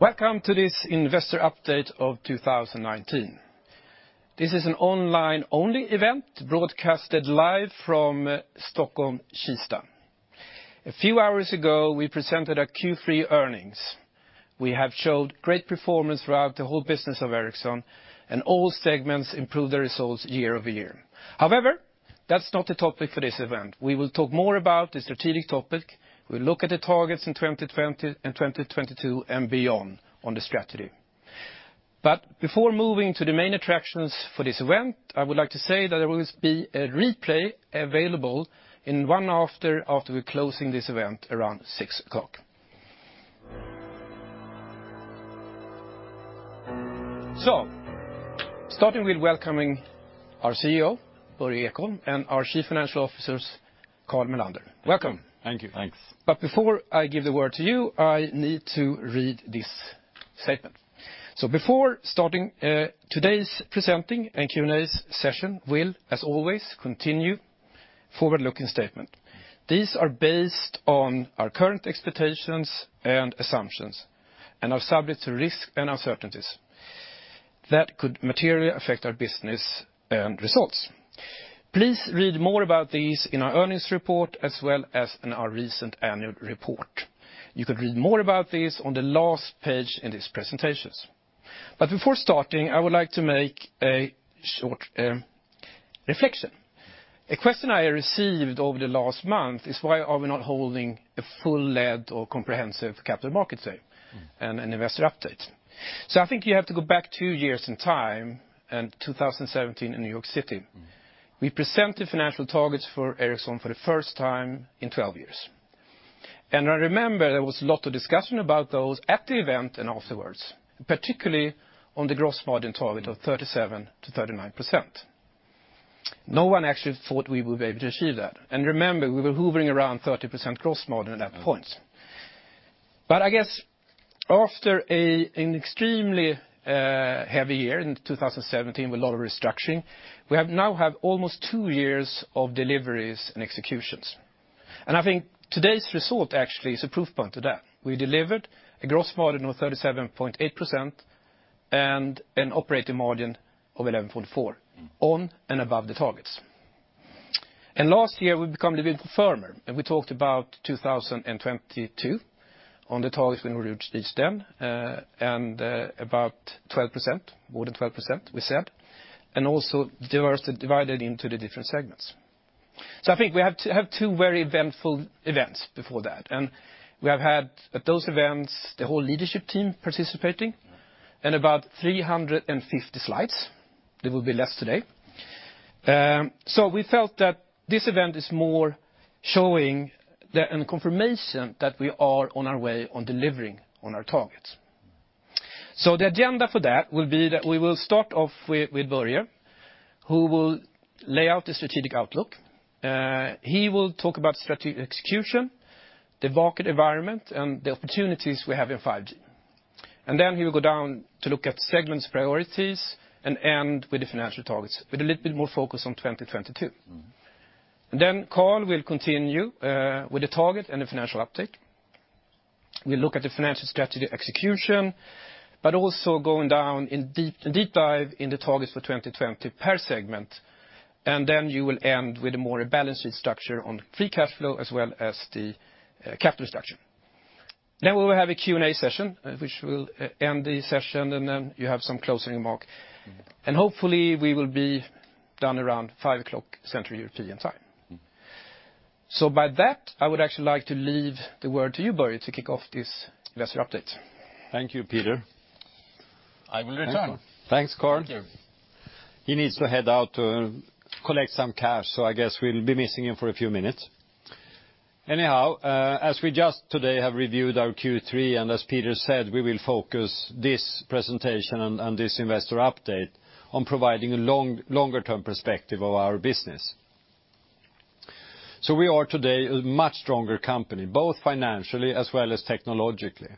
Welcome to this investor update of 2019. This is an online-only event broadcast live from Stockholm, Kista. A few hours ago, we presented our Q3 earnings. We have shown great performance throughout the whole business of Ericsson, and all segments improved their results year-over-year. That's not the topic for this event. We will talk more about the strategic topic. We'll look at the targets in 2020 and 2022, and beyond on the strategy. Before moving to the main attractions for this event, I would like to say that there will be a replay available after we're closing this event around 6:00 P.M. Starting with welcoming our CEO, Börje Ekholm, and our Chief Financial Officer, Carl Mellander. Welcome. Thank you. Thanks. Before I give the word to you, I need to read this statement. Before starting today's presenting and Q&A session, we'll, as always, continue forward-looking statement. These are based on our current expectations and assumptions, and are subject to risks and uncertainties that could materially affect our business and results. Please read more about these in our earnings report, as well as in our recent annual report. You can read more about this on the last page in these presentations. Before starting, I would like to make a short reflection. A question I received over the last month is why are we not holding a full-fledged or comprehensive Capital Markets Day and an investor update? I think you have to go back two years in time in 2017 in New York City. We presented financial targets for Ericsson for the first time in 12 years. I remember there was a lot of discussion about those at the event and afterwards, particularly on the gross margin target of 37%-39%. No one actually thought we would be able to achieve that. Remember, we were hovering around 30% gross margin at that point. I guess after an extremely heavy year in 2017 with a lot of restructuring, we now have almost two years of deliveries and executions. I think today's result actually is a proof point to that. We delivered a gross margin of 37.8% and an operating margin of 11.4%, on and above the targets. Last year, we became a little bit firmer, and we talked about 2022 on the targets we introduced each then, and about 12%, more than 12%, we said, and also divided into the different segments. I think we have two very eventful events before that. We have had, at those events, the whole leadership team participating and about 350 slides. There will be less today. We felt that this event is more showing and confirmation that we are on our way on delivering on our targets. The agenda for that will be that we will start off with Börje, who will lay out the strategic outlook. He will talk about strategic execution, the market environment, and the opportunities we have in 5G. Then he will go down to look at segments priorities, and end with the financial targets, with a little bit more focus on 2022. Carl will continue with the target and the financial update. We'll look at the financial strategy execution, but also going down in deep dive in the targets for 2020 per segment. You will end with a more balanced restructure on free cash flow as well as the capital structure. We will have a Q&A session, which will end the session, and then you have some closing remark. Hopefully we will be done around 5:00 P.M. Central European time. By that, I would actually like to leave the word to you, Börje, to kick off this investor update. Thank you, Peter. I will return. Thanks, Carl. Thank you. He needs to head out to collect some cash, so I guess we'll be missing him for a few minutes. As we just today have reviewed our Q3, and as Peter said, we will focus this presentation and this investor update on providing a longer term perspective of our business. We are today a much stronger company, both financially as well as technologically.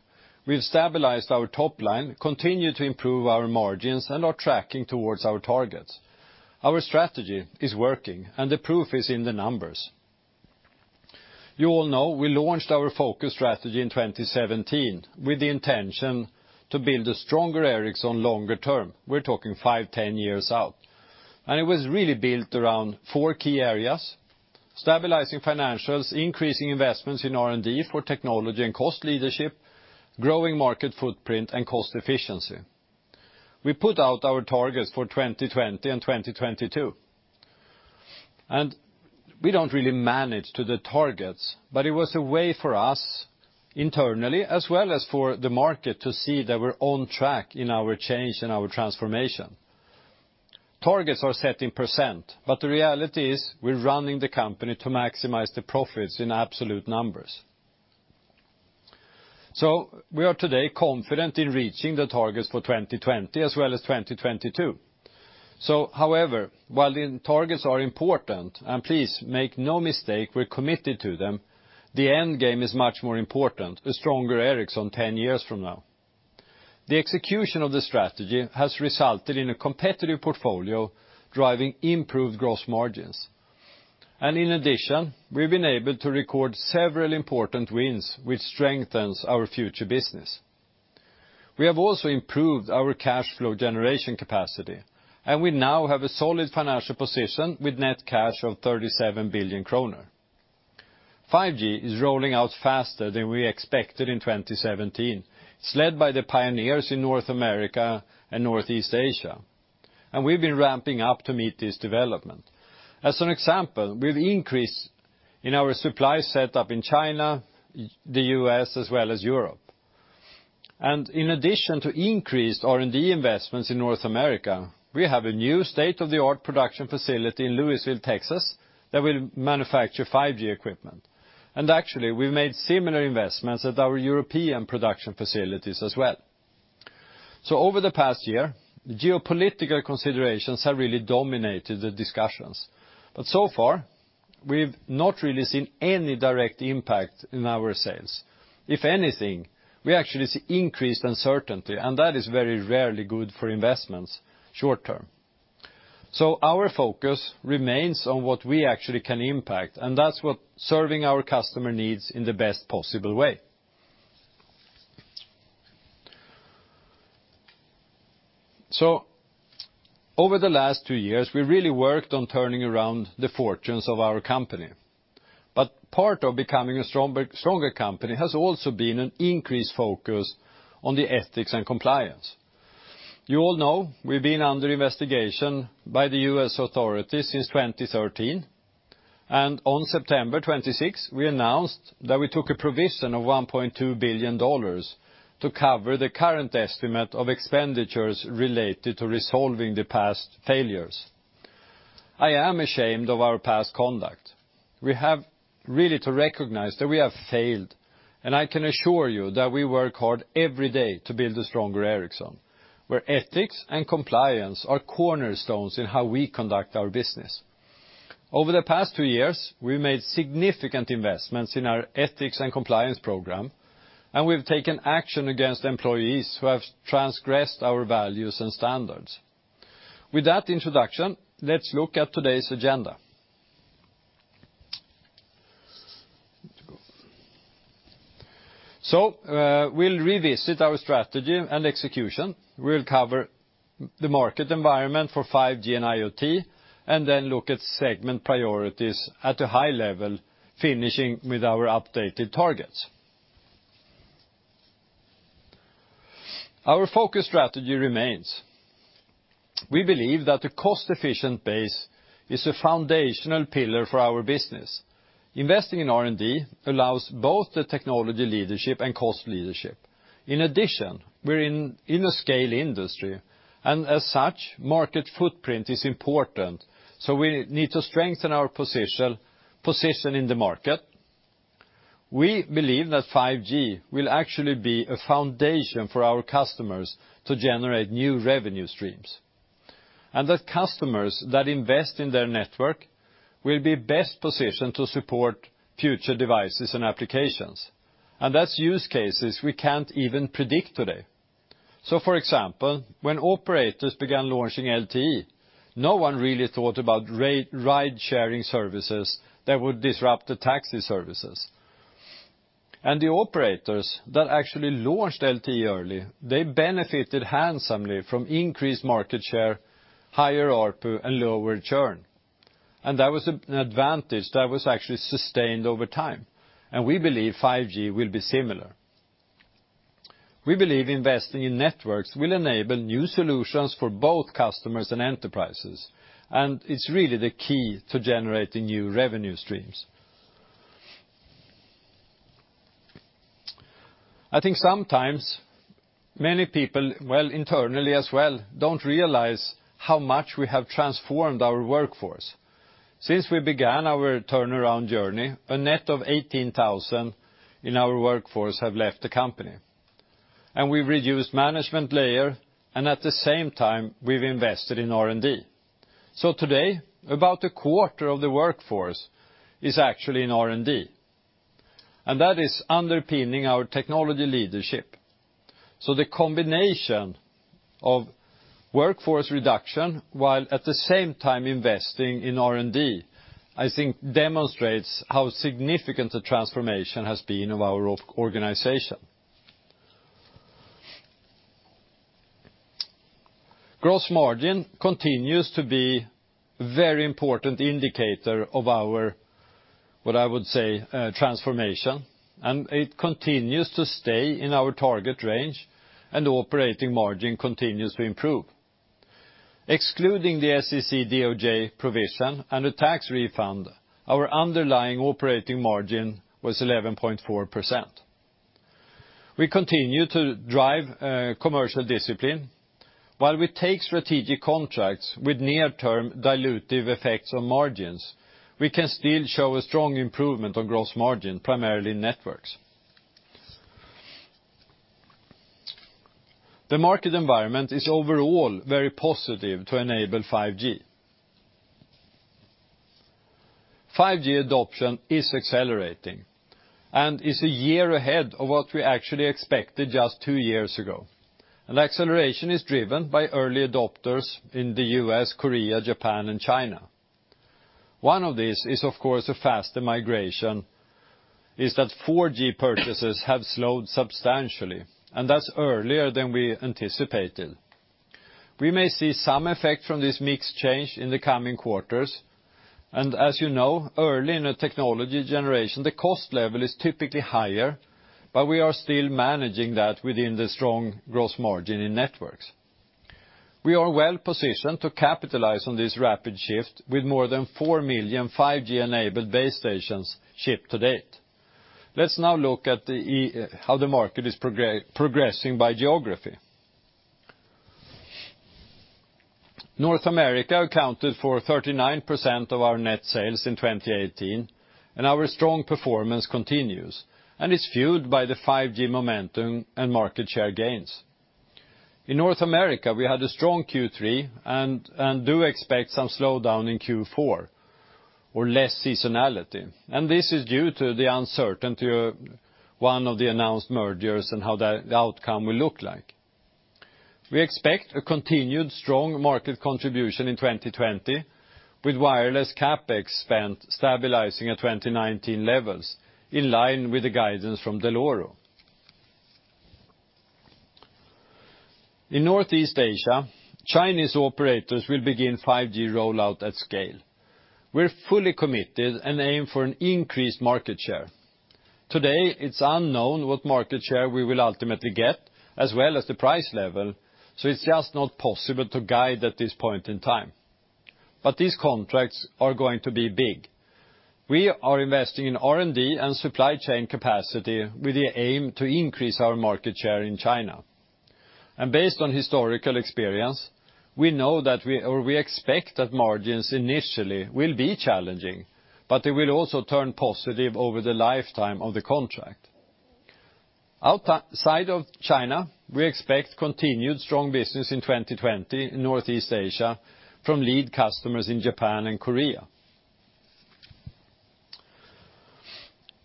We've stabilized our top line, continued to improve our margins, and are tracking towards our targets. Our strategy is working, and the proof is in the numbers. You all know we launched our focus strategy in 2017 with the intention to build a stronger Ericsson longer term. We're talking five, 10 years out. It was really built around four key areas: stabilizing financials, increasing investments in R&D for technology and cost leadership, growing market footprint, and cost efficiency. We put out our targets for 2020 and 2022. We don't really manage to the targets, but it was a way for us internally as well as for the market to see that we're on track in our change and our transformation. Targets are set in %, but the reality is we're running the company to maximize the profits in absolute numbers. We are today confident in reaching the targets for 2020 as well as 2022. However, while the targets are important, and please make no mistake, we're committed to them, the end game is much more important, a stronger Ericsson 10 years from now. The execution of the strategy has resulted in a competitive portfolio driving improved gross margins. In addition, we've been able to record several important wins, which strengthens our future business. We have also improved our cash flow generation capacity. We now have a solid financial position with net cash of 37 billion kronor. 5G is rolling out faster than we expected in 2017, led by the pioneers in North America and Northeast Asia. We've been ramping up to meet this development. As an example, we've increased in our supply setup in China, the U.S., as well as Europe. In addition to increased R&D investments in North America, we have a new state-of-the-art production facility in Lewisville, Texas, that will manufacture 5G equipment. Actually, we've made similar investments at our European production facilities as well. Over the past year, geopolitical considerations have really dominated the discussions. So far, we've not really seen any direct impact in our sales. If anything, we actually see increased uncertainty, and that is very rarely good for investments short-term. Our focus remains on what we actually can impact, and that's what serving our customer needs in the best possible way. Part of becoming a stronger company has also been an increased focus on the ethics and compliance. You all know we've been under investigation by the U.S. authorities since 2013. On September 26, we announced that we took a provision of $1.2 billion to cover the current estimate of expenditures related to resolving the past failures. I am ashamed of our past conduct. We have really to recognize that we have failed, and I can assure you that we work hard every day to build a stronger Ericsson, where ethics and compliance are cornerstones in how we conduct our business. Over the past two years, we've made significant investments in our ethics and compliance program, and we've taken action against employees who have transgressed our values and standards. With that introduction, let's look at today's agenda. We'll revisit our strategy and execution. We'll cover the market environment for 5G and IoT, and then look at segment priorities at a high level, finishing with our updated targets. Our focus strategy remains. We believe that the cost-efficient base is a foundational pillar for our business. Investing in R&D allows both the technology leadership and cost leadership. In addition, we're in a scale industry, and as such, market footprint is important, so we need to strengthen our position in the market. We believe that 5G will actually be a foundation for our customers to generate new revenue streams. Customers that invest in their network will be best positioned to support future devices and applications. That's use cases we can't even predict today. For example, when operators began launching LTE, no one really thought about ride-sharing services that would disrupt the taxi services. The operators that actually launched LTE early, they benefited handsomely from increased market share, higher ARPU, and lower churn. That was an advantage that was actually sustained over time. We believe 5G will be similar. We believe investing in networks will enable new solutions for both customers and enterprises, and it's really the key to generating new revenue streams. I think sometimes many people, well, internally as well, don't realize how much we have transformed our workforce. Since we began our turnaround journey, a net of 18,000 in our workforce have left the company. We've reduced management layer, and at the same time, we've invested in R&D. Today, about a quarter of the workforce is actually in R&D. That is underpinning our technology leadership. The combination of workforce reduction, while at the same time investing in R&D, I think demonstrates how significant the transformation has been of our organization. Gross margin continues to be very important indicator of our, what I would say, transformation, and it continues to stay in our target range, and operating margin continues to improve. Excluding the SEC DOJ provision and the tax refund, our underlying operating margin was 11.4%. We continue to drive commercial discipline. While we take strategic contracts with near-term dilutive effects on margins, we can still show a strong improvement on gross margin, primarily in networks. The market environment is overall very positive to enable 5G. 5G adoption is accelerating and is a year ahead of what we actually expected just 2 years ago. Acceleration is driven by early adopters in the U.S., Korea, Japan, and China. One of these is, of course, a faster migration, is that 4G purchases have slowed substantially, and that's earlier than we anticipated. We may see some effect from this mixed change in the coming quarters. As you know, early in a technology generation, the cost level is typically higher, but we are still managing that within the strong gross margin in Networks. We are well-positioned to capitalize on this rapid shift with more than 4 million 5G-enabled base stations shipped to date. Let's now look at how the market is progressing by geography. North America accounted for 39% of our net sales in 2018, and our strong performance continues and is fueled by the 5G momentum and market share gains. In North America, we had a strong Q3 and do expect some slowdown in Q4 or less seasonality. This is due to the uncertainty of one of the announced mergers and how the outcome will look like. We expect a continued strong market contribution in 2020 with wireless CapEx spend stabilizing at 2019 levels, in line with the guidance from Dell'Oro. In Northeast Asia, Chinese operators will begin 5G rollout at scale. We're fully committed and aim for an increased market share. Today, it's unknown what market share we will ultimately get, as well as the price level, so it's just not possible to guide at this point in time. These contracts are going to be big. We are investing in R&D and supply chain capacity with the aim to increase our market share in China. Based on historical experience, we expect that margins initially will be challenging, but they will also turn positive over the lifetime of the contract. Outside of China, we expect continued strong business in 2020 in Northeast Asia from lead customers in Japan and Korea.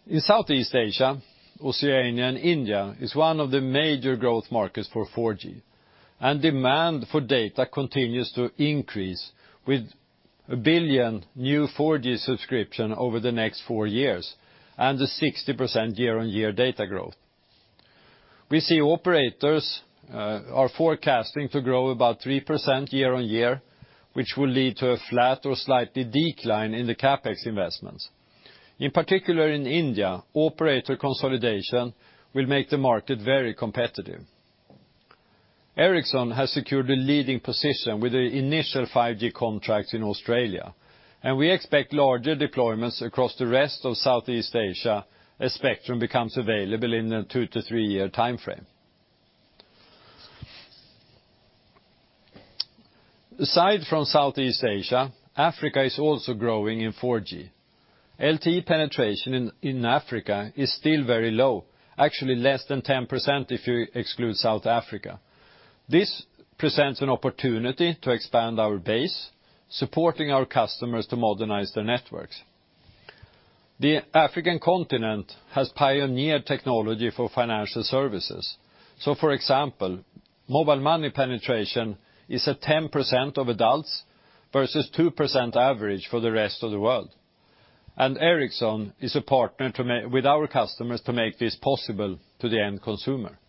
In Southeast Asia, Oceania and India is one of the major growth markets for 4G, and demand for data continues to increase with 1 billion new 4G subscription over the next four years and a 60% year-over-year data growth. We see operators are forecasting to grow about 3% year-over-year, which will lead to a flat or slight decline in the CapEx investments. In particular in India, operator consolidation will make the market very competitive. Ericsson has secured a leading position with the initial 5G contracts in Australia. We expect larger deployments across the rest of Southeast Asia as spectrum becomes available in a two-to-three-year timeframe. Aside from Southeast Asia, Africa is also growing in 4G. LTE penetration in Africa is still very low, actually less than 10% if you exclude South Africa. This presents an opportunity to expand our base, supporting our customers to modernize their networks. The African continent has pioneered technology for financial services. For example, mobile money penetration is at 10% of adults versus 2% average for the rest of the world. Ericsson is a partner with our customers to make this possible to the end consumer.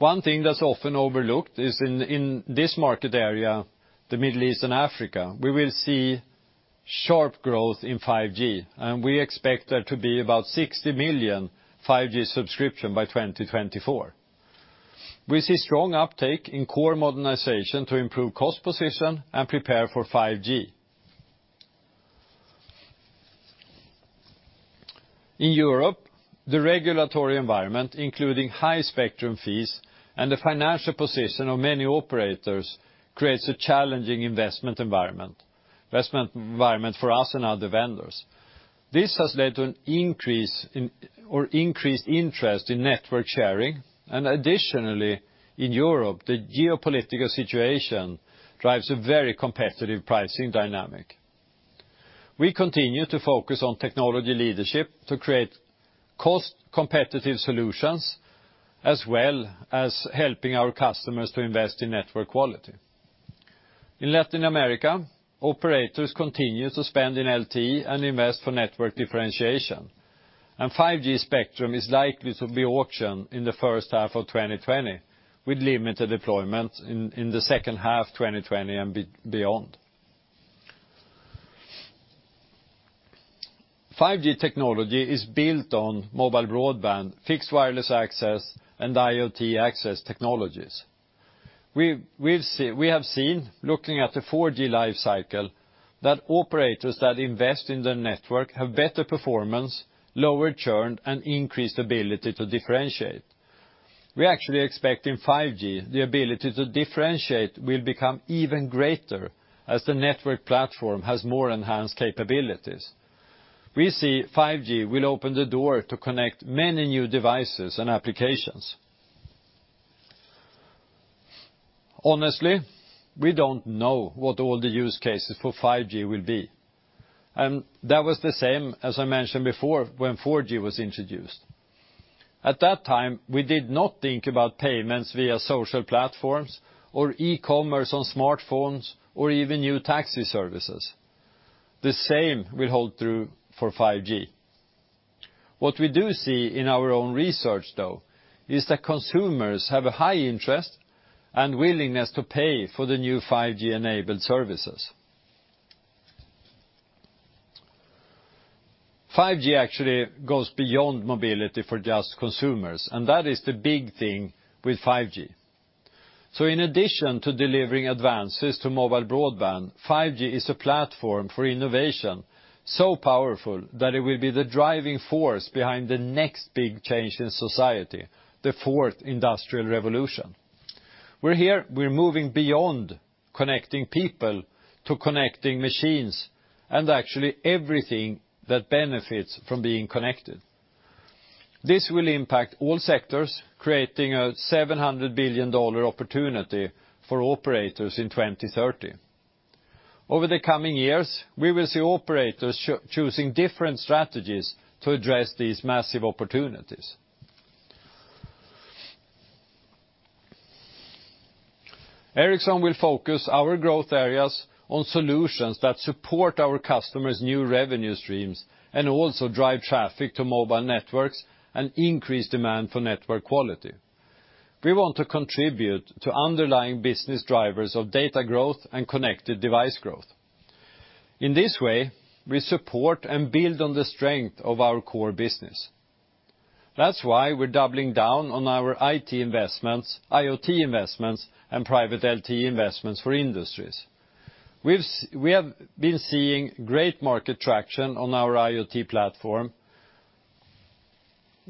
One thing that's often overlooked is in this market area, the Middle East and Africa, we will see sharp growth in 5G, and we expect there to be about 60 million 5G subscription by 2024. We see strong uptake in core modernization to improve cost position and prepare for 5G. In Europe, the regulatory environment, including high spectrum fees and the financial position of many operators, creates a challenging investment environment for us and other vendors. This has led to an increased interest in network sharing. Additionally, in Europe, the geopolitical situation drives a very competitive pricing dynamic. We continue to focus on technology leadership to create cost-competitive solutions, as well as helping our customers to invest in network quality. In Latin America, operators continue to spend in LTE and invest for network differentiation. 5G spectrum is likely to be auctioned in the first half of 2020, with limited deployment in the second half 2020 and beyond. 5G technology is built on mobile broadband, fixed wireless access, and IoT access technologies. We have seen, looking at the 4G life cycle, that operators that invest in their network have better performance, lower churn, and increased ability to differentiate. We actually expect in 5G, the ability to differentiate will become even greater as the network platform has more enhanced capabilities. We see 5G will open the door to connect many new devices and applications. Honestly, we don't know what all the use cases for 5G will be. That was the same, as I mentioned before, when 4G was introduced. At that time, we did not think about payments via social platforms or e-commerce on smartphones, or even new taxi services. The same will hold true for 5G. What we do see in our own research, though, is that consumers have a high interest and willingness to pay for the new 5G-enabled services. 5G actually goes beyond mobility for just consumers, and that is the big thing with 5G. In addition to delivering advanced system mobile broadband, 5G is a platform for innovation so powerful that it will be the driving force behind the next big change in society, the Fourth Industrial Revolution. We're here, we're moving beyond connecting people to connecting machines, and actually everything that benefits from being connected. This will impact all sectors, creating a SEK 700 billion opportunity for operators in 2030. Over the coming years, we will see operators choosing different strategies to address these massive opportunities. Ericsson will focus our growth areas on solutions that support our customers' new revenue streams, and also drive traffic to mobile networks and increase demand for network quality. We want to contribute to underlying business drivers of data growth and connected device growth. In this way, we support and build on the strength of our core business. That's why we're doubling down on our IT investments, IoT investments, and private LTE investments for industries. We have been seeing great market traction on our IoT platform,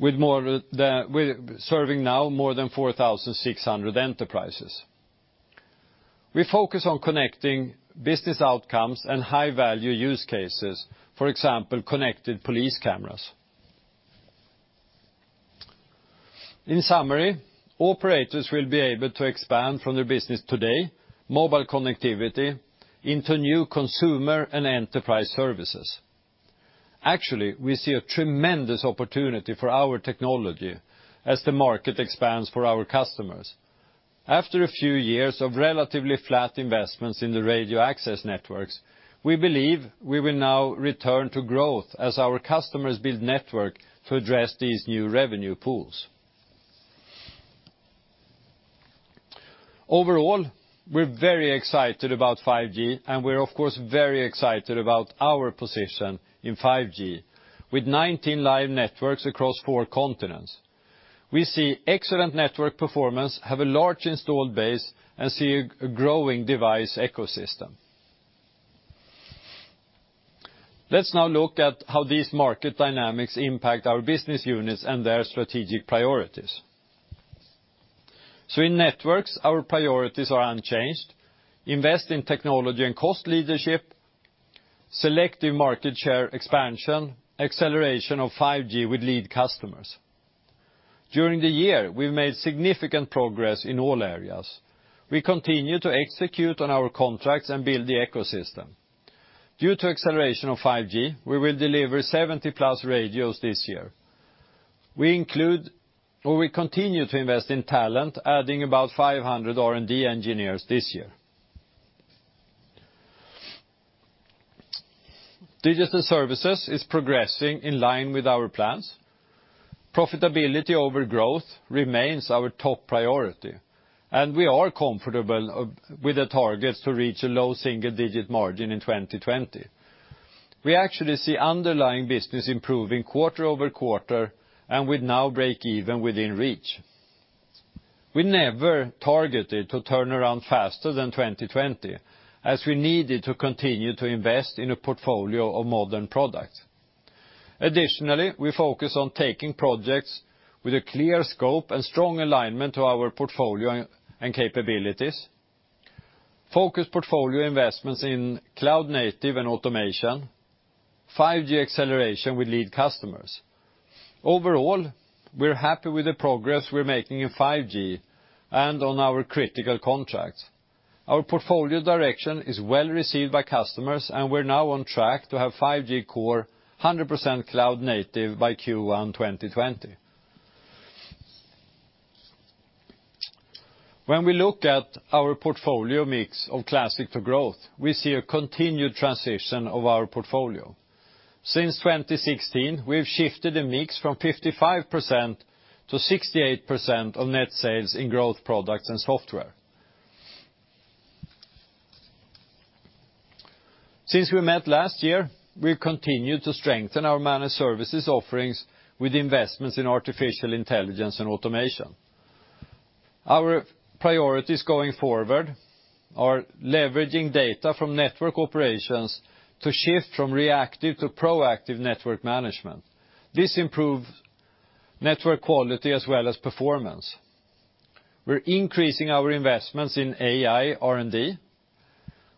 serving now more than 4,600 enterprises. We focus on connecting business outcomes and high-value use cases. For example, connected police cameras. In summary, operators will be able to expand from their business today, mobile connectivity, into new consumer and enterprise services. Actually, we see a tremendous opportunity for our technology as the market expands for our customers. After a few years of relatively flat investments in the radio access networks, we believe we will now return to growth as our customers build network to address these new revenue pools. Overall, we're very excited about 5G, and we're of course, very excited about our position in 5G with 19 live networks across four continents. We see excellent network performance, have a large installed base, and see a growing device ecosystem. Let's now look at how these market dynamics impact our business units and their strategic priorities. In Networks, our priorities are unchanged. Invest in technology and cost leadership, selective market share expansion, acceleration of 5G with lead customers. During the year, we've made significant progress in all areas. We continue to execute on our contracts and build the ecosystem. Due to acceleration of 5G, we will deliver 70-plus radios this year. We continue to invest in talent, adding about 500 R&D engineers this year. Digital Services is progressing in line with our plans. Profitability over growth remains our top priority, and we are comfortable with the targets to reach a low single-digit margin in 2020. We actually see underlying business improving quarter-over-quarter, and with now breakeven within reach. We never targeted to turn around faster than 2020, as we needed to continue to invest in a portfolio of modern products. Additionally, we focus on taking projects with a clear scope and strong alignment to our portfolio and capabilities. Focus portfolio investments in cloud native and automation. 5G acceleration with lead customers. Overall, we're happy with the progress we're making in 5G and on our critical contracts. Our portfolio direction is well-received by customers, and we're now on track to have 5G core 100% cloud native by Q1 2020. When we look at our portfolio mix of classic to growth, we see a continued transition of our portfolio. Since 2016, we've shifted the mix from 55% to 68% of net sales in growth products and software. Since we met last year, we've continued to strengthen our Managed Services offerings with investments in artificial intelligence and automation. Our priorities going forward are leveraging data from network operations to shift from reactive to proactive network management. This improves network quality as well as performance. We're increasing our investments in AI, R&D.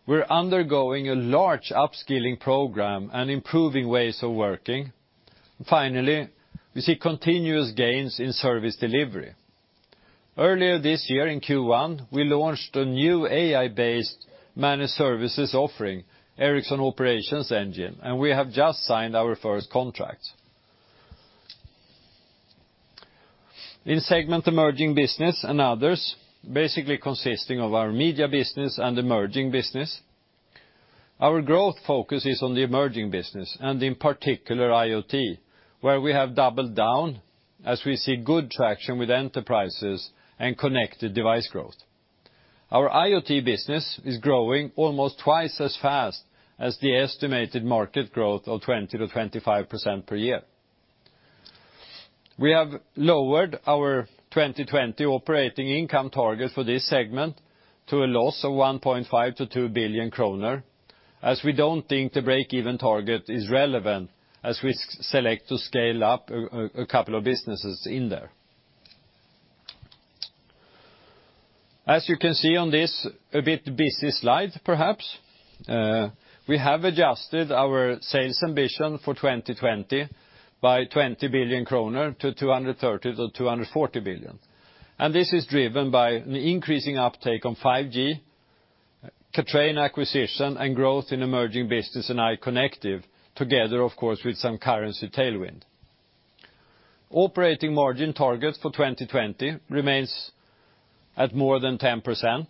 We're undergoing a large upskilling program and improving ways of working. Finally, we see continuous gains in service delivery. Earlier this year in Q1, we launched a new AI-based Managed Services offering, Ericsson Operations Engine, and we have just signed our first contract. In segment Emerging Business and Others, basically consisting of our Media Business and Emerging Business, our growth focus is on the Emerging Business and in particular IoT, where we have doubled down as we see good traction with enterprises and connected device growth. Our IoT business is growing almost twice as fast as the estimated market growth of 20%-25% per year. We have lowered our 2020 operating income target for this segment to a loss of 1.5 billion-2 billion kronor, as we don't think the break-even target is relevant as we select to scale up a couple of businesses in there. As you can see on this a bit busy slide, perhaps, we have adjusted our sales ambition for 2020 by 20 billion kronor to 230 billion-240 billion. This is driven by an increasing uptake on 5G, Kathrein acquisition, and growth in emerging business and iconectiv together, of course, with some currency tailwind. Operating margin target for 2020 remains at more than 10%.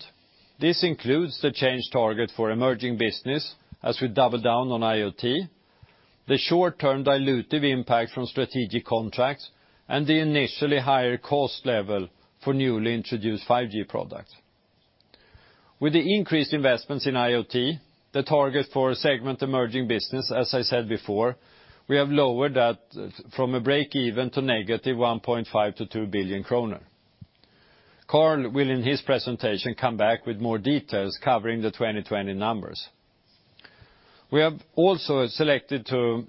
This includes the change target for emerging business, as we double down on IoT, the short-term dilutive impact from strategic contracts, and the initially higher cost level for newly introduced 5G products. With the increased investments in IoT, the target for segment emerging business, as I said before, we have lowered that from a break even to negative 1.5 billion-2 billion kronor. Carl will, in his presentation, come back with more details covering the 2020 numbers. We have also selected to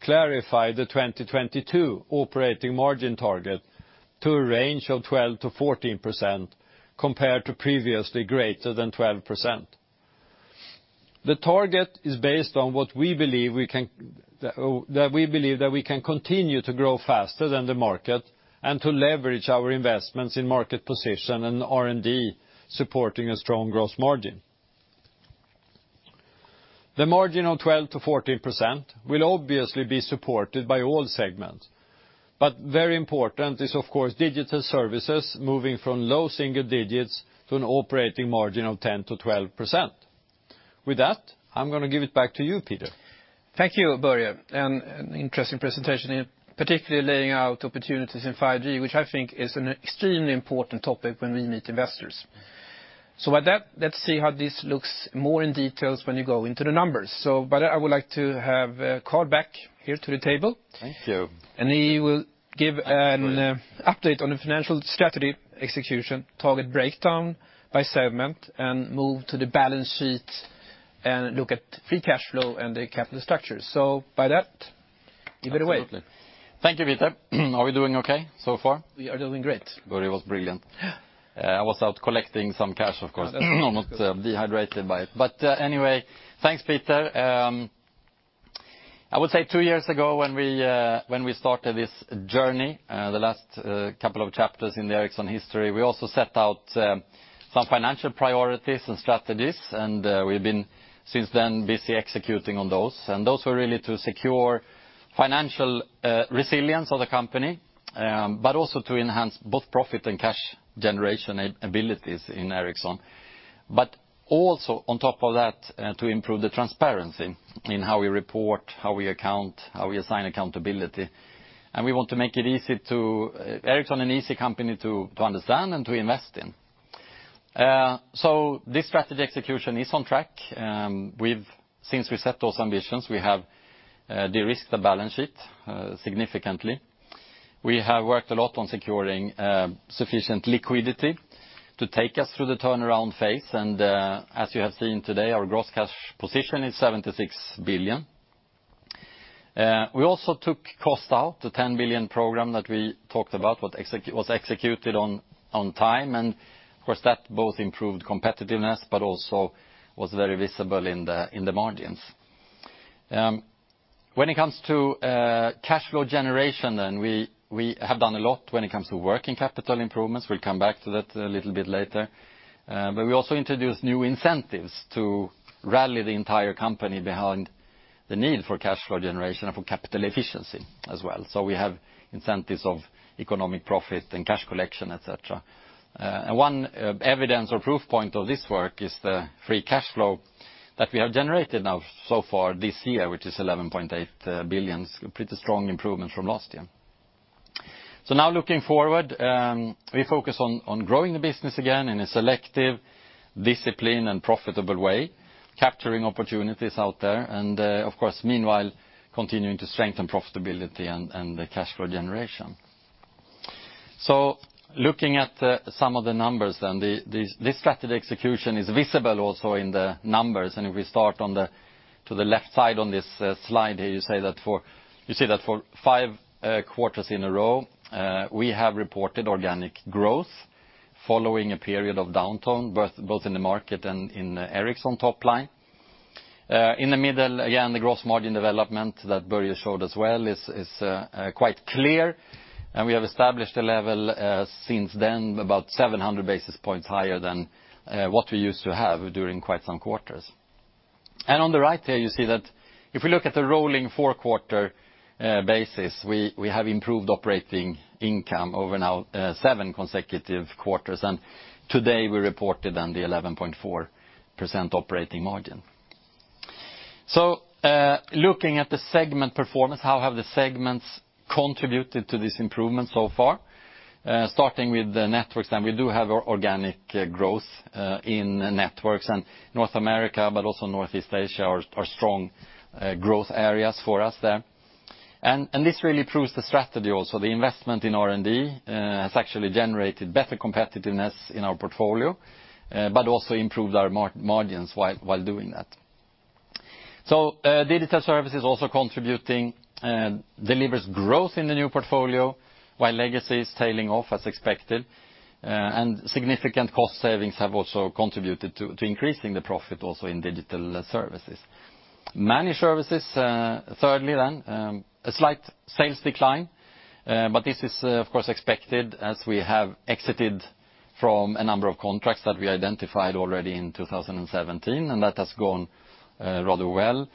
clarify the 2022 operating margin target to a range of 12%-14%, compared to previously greater than 12%. The target is based on that we believe that we can continue to grow faster than the market and to leverage our investments in market position and R&D, supporting a strong growth margin. The margin of 12%-14% will obviously be supported by all segments. Very important is, of course, Digital Services moving from low single digits to an operating margin of 10%-12%. With that, I'm going to give it back to you, Peter. Thank you, Börje. An interesting presentation, particularly laying out opportunities in 5G, which I think is an extremely important topic when we meet investors. With that, let's see how this looks more in details when you go into the numbers. Börje, I would like to have Carl back here to the table. Thank you. And he will give an- Thank you, Börje. update on the financial strategy execution target breakdown by segment, move to the balance sheet and look at free cash flow and the capital structure. With that, give it away. Absolutely. Thank you, Peter. Are we doing okay so far? We are doing great. Börje was brilliant. Yeah. I was out collecting some cash, of course. I'm not dehydrated by it. Anyway, thanks, Peter. I would say two years ago, when we started this journey, the last couple of chapters in the Ericsson history, we also set out some financial priorities and strategies, and we've been since then busy executing on those. Those were really to secure financial resilience of the company, but also to enhance both profit and cash generation abilities in Ericsson. Also on top of that, to improve the transparency in how we report, how we account, how we assign accountability. We want to make Ericsson an easy company to understand and to invest in. This strategy execution is on track. Since we set those ambitions, we have de-risked the balance sheet significantly. We have worked a lot on securing sufficient liquidity to take us through the turnaround phase. As you have seen today, our gross cash position is 76 billion. We also took cost out. The 10 billion program that we talked about was executed on time, and, of course, that both improved competitiveness, but also was very visible in the margins. When it comes to cash flow generation, we have done a lot when it comes to working capital improvements. We'll come back to that a little bit later. We also introduced new incentives to rally the entire company behind the need for cash flow generation and for capital efficiency as well. We have incentives of economic profit and cash collection, et cetera. One evidence or proof point of this work is the free cash flow that we have generated now so far this year, which is 11.8 billion. A pretty strong improvement from last year. Now looking forward, we focus on growing the business again in a selective, disciplined, and profitable way, capturing opportunities out there. Of course, meanwhile, continuing to strengthen profitability and the cash flow generation. Looking at some of the numbers then. This strategy execution is visible also in the numbers. If we start to the left side on this slide here, you see that for five quarters in a row, we have reported organic growth following a period of downturn, both in the market and in Ericsson top line. In the middle, again, the gross margin development that Börje showed as well is quite clear. We have established a level since then, about 700 basis points higher than what we used to have during quite some quarters. On the right there, you see that if we look at the rolling four-quarter basis, we have improved operating income over now seven consecutive quarters. Today, we reported on the 11.4% operating margin. Looking at the segment performance, how have the segments contributed to this improvement so far? Starting with the Networks, we do have organic growth in Networks. North America, but also Northeast Asia, are strong growth areas for us there. This really proves the strategy also. The investment in R&D has actually generated better competitiveness in our portfolio, but also improved our margins while doing that. Digital Services also contributing, delivers growth in the new portfolio, while Legacy is tailing off as expected. Significant cost savings have also contributed to increasing the profit also in Digital Services. Managed Services, thirdly then, a slight sales decline, but this is of course expected as we have exited from a number of contracts that we identified already in 2017, and that has gone rather well.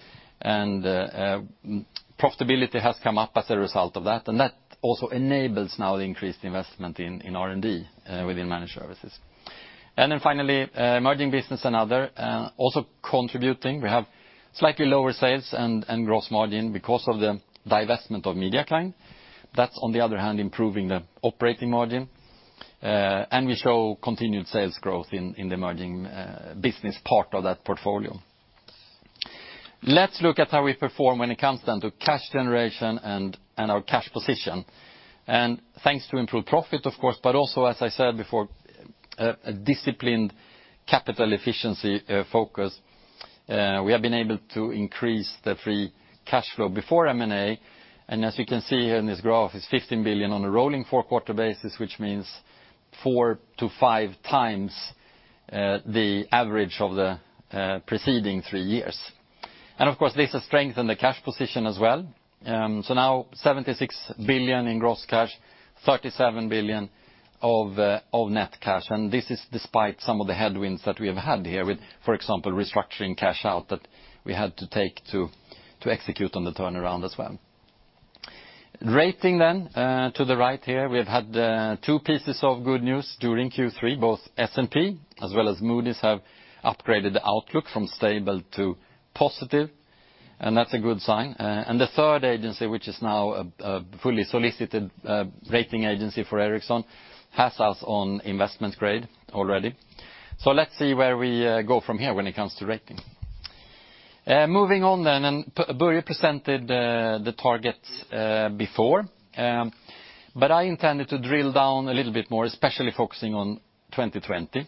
Profitability has come up as a result of that, and that also enables now the increased investment in R&D within Managed Services. Finally, Emerging Business and Other, also contributing. We have slightly lower sales and gross margin because of the divestment of MediaKind. That's on the other hand, improving the operating margin. We show continued sales growth in the Emerging Business part of that portfolio. Let's look at how we perform when it comes down to cash generation and our cash position. Thanks to improved profit, of course, but also, as I said before, a disciplined capital efficiency focus, we have been able to increase the free cash flow before M&A. As you can see here in this graph, it's 15 billion on a rolling four-quarter basis, which means four to five times the average of the preceding three years. Of course, this has strengthened the cash position as well. Now 76 billion in gross cash, 37 billion of net cash, and this is despite some of the headwinds that we have had here with, for example, restructuring cash out that we had to take to execute on the turnaround as well. Rating, to the right here, we've had two pieces of good news during Q3. Both S&P as well as Moody's have upgraded the outlook from stable to positive, and that's a good sign. The third agency, which is now a fully solicited rating agency for Ericsson, has us on investment grade already. Let's see where we go from here when it comes to rating. Moving on then, Börje presented the targets before. I intended to drill down a little bit more, especially focusing on 2020,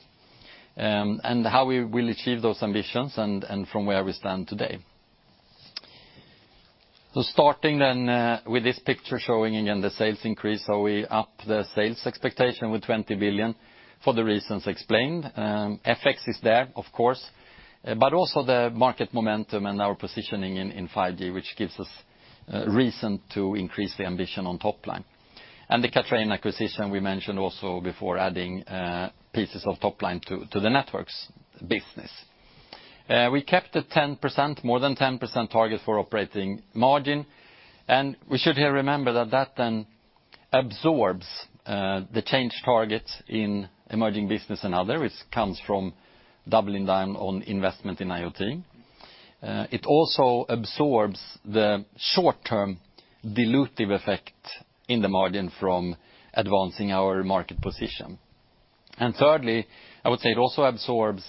and how we will achieve those ambitions and from where we stand today. Starting then with this picture showing again the sales increase. We up the sales expectation with 20 billion for the reasons explained. FX is there, of course, but also the market momentum and our positioning in 5G, which gives us reason to increase the ambition on top line. The Kathrein acquisition we mentioned also before adding pieces of top line to the Networks business. We kept the more than 10% target for operating margin, and we should here remember that then absorbs the change targets in Emerging Business and Other, which comes from doubling down on investment in IoT. It also absorbs the short-term dilutive effect in the margin from advancing our market position. Thirdly, I would say it also absorbs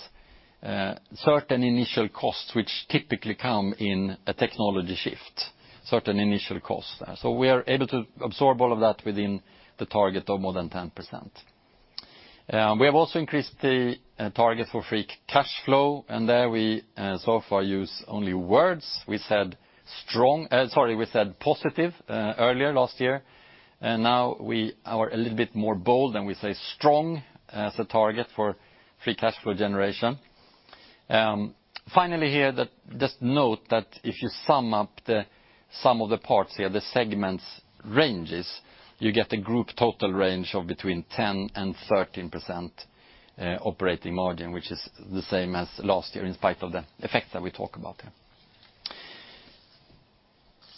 certain initial costs, which typically come in a technology shift, certain initial costs there. We are able to absorb all of that within the target of more than 10%. We have also increased the target for free cash flow, and there we so far use only words. We said positive earlier last year, and now we are a little bit more bold, and we say strong as a target for free cash flow generation. Finally here, just note that if you sum up the sum of the parts here, the segments ranges, you get a group total range of between 10%-13% operating margin, which is the same as last year in spite of the effects that we talk about.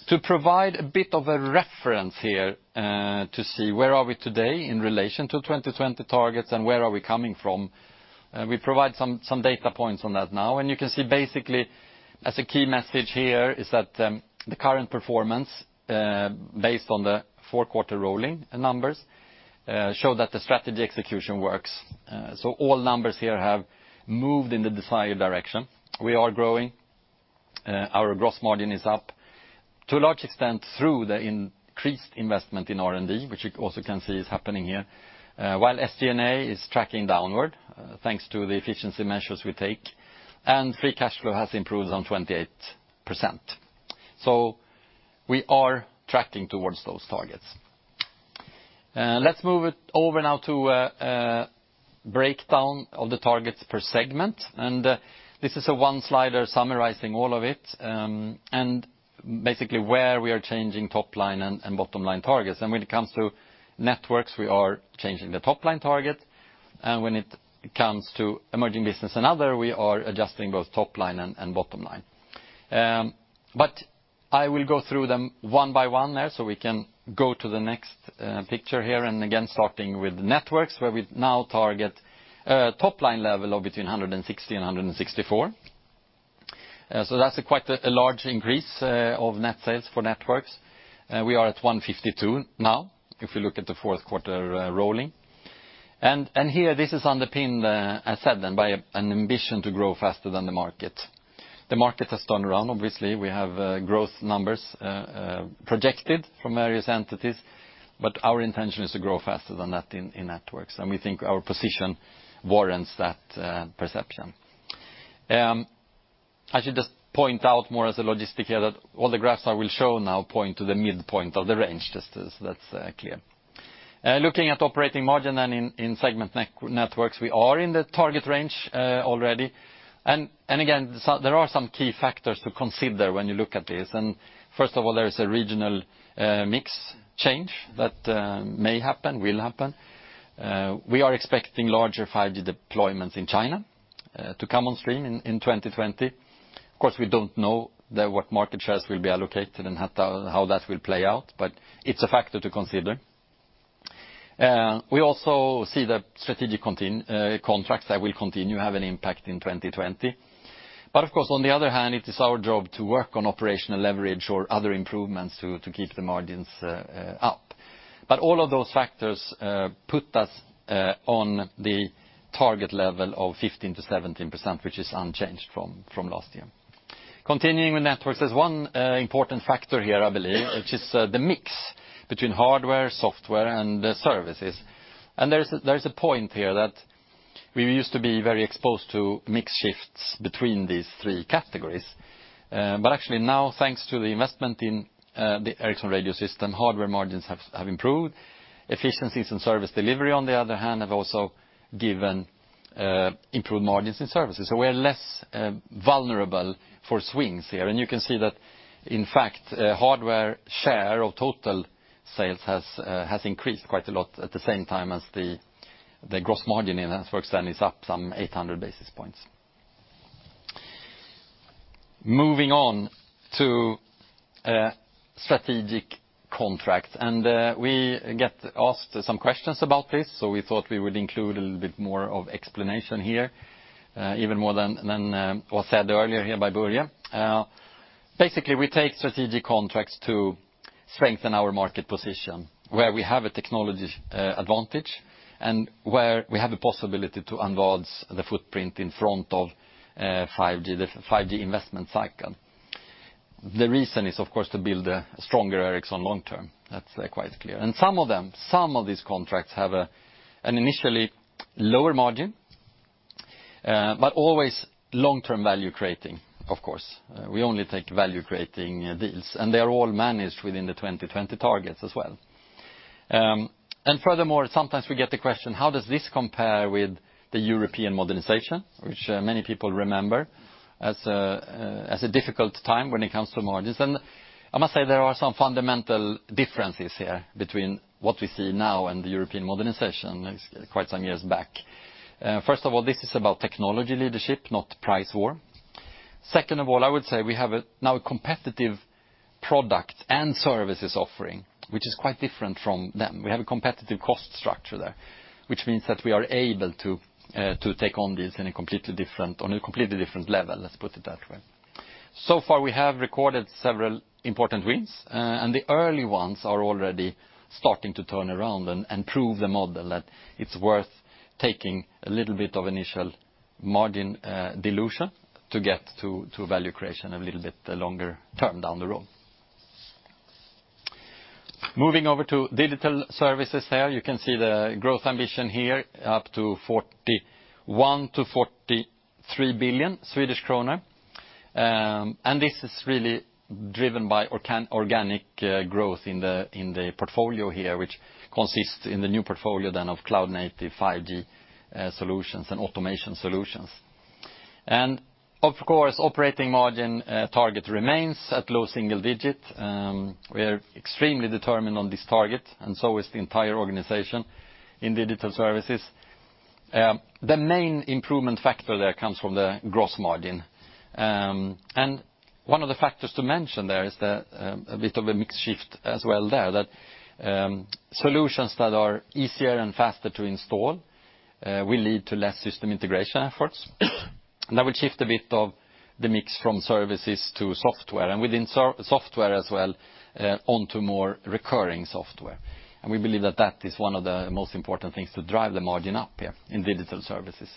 To provide a bit of a reference here to see where are we today in relation to 2020 targets and where are we coming from, we provide some data points on that now. You can see basically as a key message here is that the current performance, based on the 4 quarter rolling numbers, show that the strategy execution works. All numbers here have moved in the desired direction. We are growing. Our gross margin is up, to a large extent through the increased investment in R&D, which you also can see is happening here. While SG&A is tracking downward, thanks to the efficiency measures we take, and free cash flow has improved on 28%. We are tracking towards those targets. Let's move it over now to a breakdown of the targets per segment. This is a one-slider summarizing all of it, and basically where we are changing top-line and bottom-line targets. When it comes to Networks, we are changing the top-line target, and when it comes to Emerging Business and Other, we are adjusting both top-line and bottom-line. I will go through them one by one there, we can go to the next picture here, again, starting with Networks, where we now target a top-line level of between 160 and 164. That's quite a large increase of net sales for Networks. We are at 152 now, if we look at the fourth quarter rolling. Here, this is underpinned, as said, and by an ambition to grow faster than the market. The market has turned around, obviously. We have growth numbers projected from various entities, but our intention is to grow faster than that in Networks, and we think our position warrants that perception. I should just point out more as a logistic here that all the graphs I will show now point to the midpoint of the range, just as that's clear. Looking at operating margin and in segment Networks, we are in the target range already. Again, there are some key factors to consider when you look at this. First of all, there's a regional mix change that may happen, will happen. We are expecting larger 5G deployments in China to come on stream in 2020. Of course, we don't know what market shares will be allocated and how that will play out, but it's a factor to consider. We also see the strategic contracts that will continue have an impact in 2020. Of course, on the other hand, it is our job to work on operational leverage or other improvements to keep the margins up. All of those factors put us on the target level of 15%-17%, which is unchanged from last year. Continuing with networks, there's one important factor here, I believe, which is the mix between hardware, software, and the services. There is a point here that we used to be very exposed to mix shifts between these three categories. Actually now, thanks to the investment in the Ericsson Radio System, hardware margins have improved. Efficiencies in service delivery, on the other hand, have also given improved margins in services. We are less vulnerable for swings here. You can see that, in fact, hardware share of total sales has increased quite a lot at the same time as the gross margin in Networks then is up some 800 basis points. Moving on to strategic contracts. We get asked some questions about this, so we thought we would include a little bit more of explanation here, even more than was said earlier here by Börje. Basically, we take strategic contracts to strengthen our market position where we have a technology advantage and where we have a possibility to enlarge the footprint in front of 5G, the 5G investment cycle. The reason is, of course, to build a stronger Ericsson long term. That's quite clear. Some of them, some of these contracts have an initially lower margin, but always long-term value-creating, of course. We only take value-creating deals, and they are all managed within the 2020 targets as well. Furthermore, sometimes we get the question, how does this compare with the European Modernization, which many people remember as a difficult time when it comes to margins? I must say, there are some fundamental differences here between what we see now and the European Modernization quite some years back. First of all, this is about technology leadership, not price war. Second of all, I would say we have now a competitive product and services offering, which is quite different from them. We have a competitive cost structure there, which means that we are able to take on this on a completely different level, let's put it that way. Far, we have recorded several important wins, and the early ones are already starting to turn around and prove the model that it's worth taking a little bit of initial margin dilution to get to value creation a little bit longer term down the road. Moving over to Digital Services here. You can see the growth ambition here up to 41 billion to 43 billion Swedish kronor. This is really driven by organic growth in the portfolio here, which consists in the new portfolio then of cloud native 5G solutions and automation solutions. Of course, operating margin target remains at low single-digit. We're extremely determined on this target, and so is the entire organization in Digital Services. The main improvement factor there comes from the gross margin. One of the factors to mention there is a bit of a mix shift as well there, that solutions that are easier and faster to install will lead to less system integration efforts. That will shift a bit of the mix from services to software, and within software as well, onto more recurring software. We believe that that is one of the most important things to drive the margin up here in Digital Services.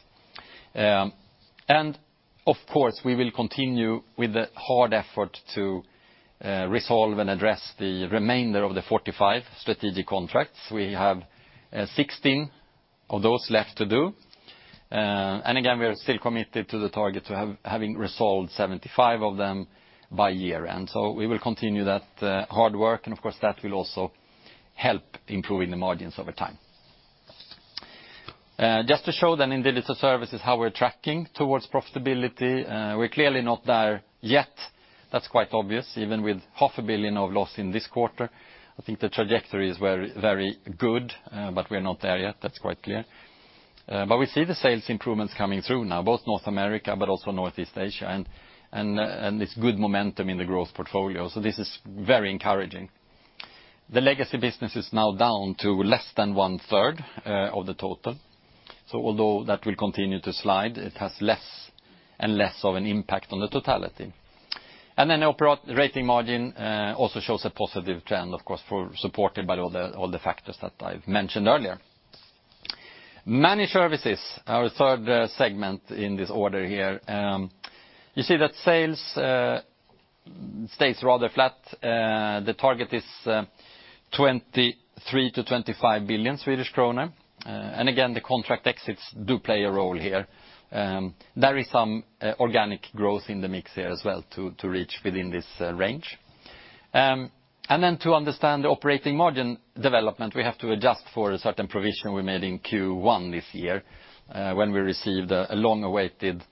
Of course, we will continue with the hard effort to resolve and address the remainder of the 45 strategic contracts. We have 16 of those left to do. Again, we are still committed to the target to having resolved 75 of them by year-end. We will continue that hard work, and of course, that will also help improving the margins over time. To show then in Digital Services how we're tracking towards profitability. We're clearly not there yet. That's quite obvious. Even with half a billion of loss in this quarter, I think the trajectory is very good, but we're not there yet. That's quite clear. We see the sales improvements coming through now, both North America, but also Northeast Asia, and this good momentum in the growth portfolio. This is very encouraging. The legacy business is now down to less than one-third of the total. Although that will continue to slide, it has less and less of an impact on the totality. Operating margin also shows a positive trend, of course, supported by all the factors that I've mentioned earlier. Managed Services, our third segment in this order here, you see that sales stays rather flat. The target is 23 billion-25 billion Swedish kronor. Again, the contract exits do play a role here. There is some organic growth in the mix here as well to reach within this range. To understand the operating margin development, we have to adjust for a certain provision we made in Q1 this year. When we received a long-awaited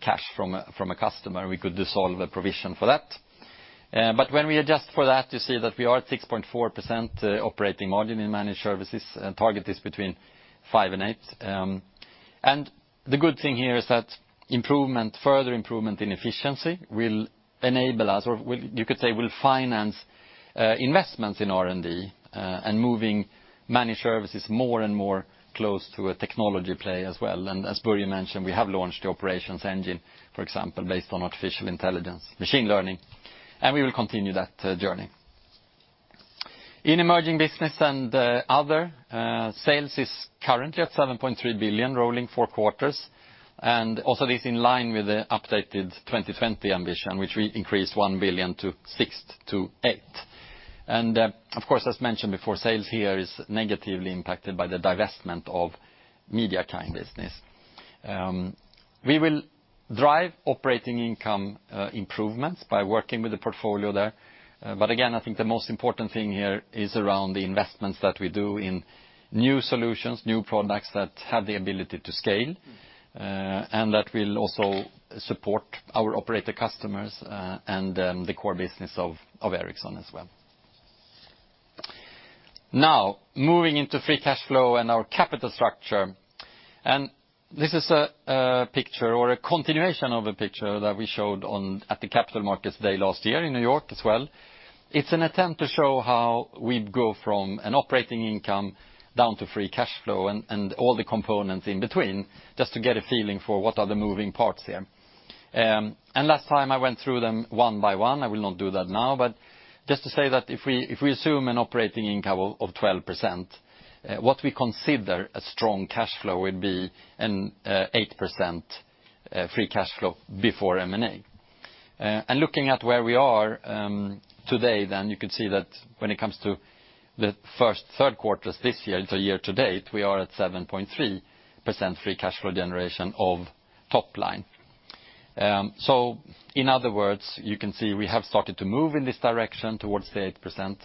cash from a customer, we could dissolve a provision for that. When we adjust for that, you see that we are at 6.4% operating margin in Managed Services, and target is between 5% and 8%. The good thing here is that further improvement in efficiency will enable us, or you could say, will finance investments in R&D, and moving Managed Services more and more close to a technology play as well. As Börje mentioned, we have launched the Operations Engine, for example, based on artificial intelligence, machine learning, and we will continue that journey. In Emerging Business and Other, sales is currently at 7.3 billion rolling four quarters. Also this in line with the updated 2020 ambition, which we increased 1 billion to 6 billion-8 billion. Of course, as mentioned before, sales here is negatively impacted by the divestment of MediaKind business. We will drive operating income improvements by working with the portfolio there. Again, I think the most important thing here is around the investments that we do in new solutions, new products that have the ability to scale, and that will also support our operator customers, and the core business of Ericsson as well. Now, moving into free cash flow and our capital structure. This is a picture or a continuation of a picture that we showed at the Capital Markets Day last year in New York as well. It's an attempt to show how we go from an operating income down to free cash flow and all the components in between, just to get a feeling for what are the moving parts here. Last time I went through them one by one, I will not do that now. Just to say that if we assume an operating income of 12%, what we consider a strong cash flow would be an 8% free cash flow before M&A. Looking at where we are today, you could see that when it comes to the first three quarters this year, so year to date, we are at 7.3% free cash flow generation of top line. In other words, you can see we have started to move in this direction towards the 8%,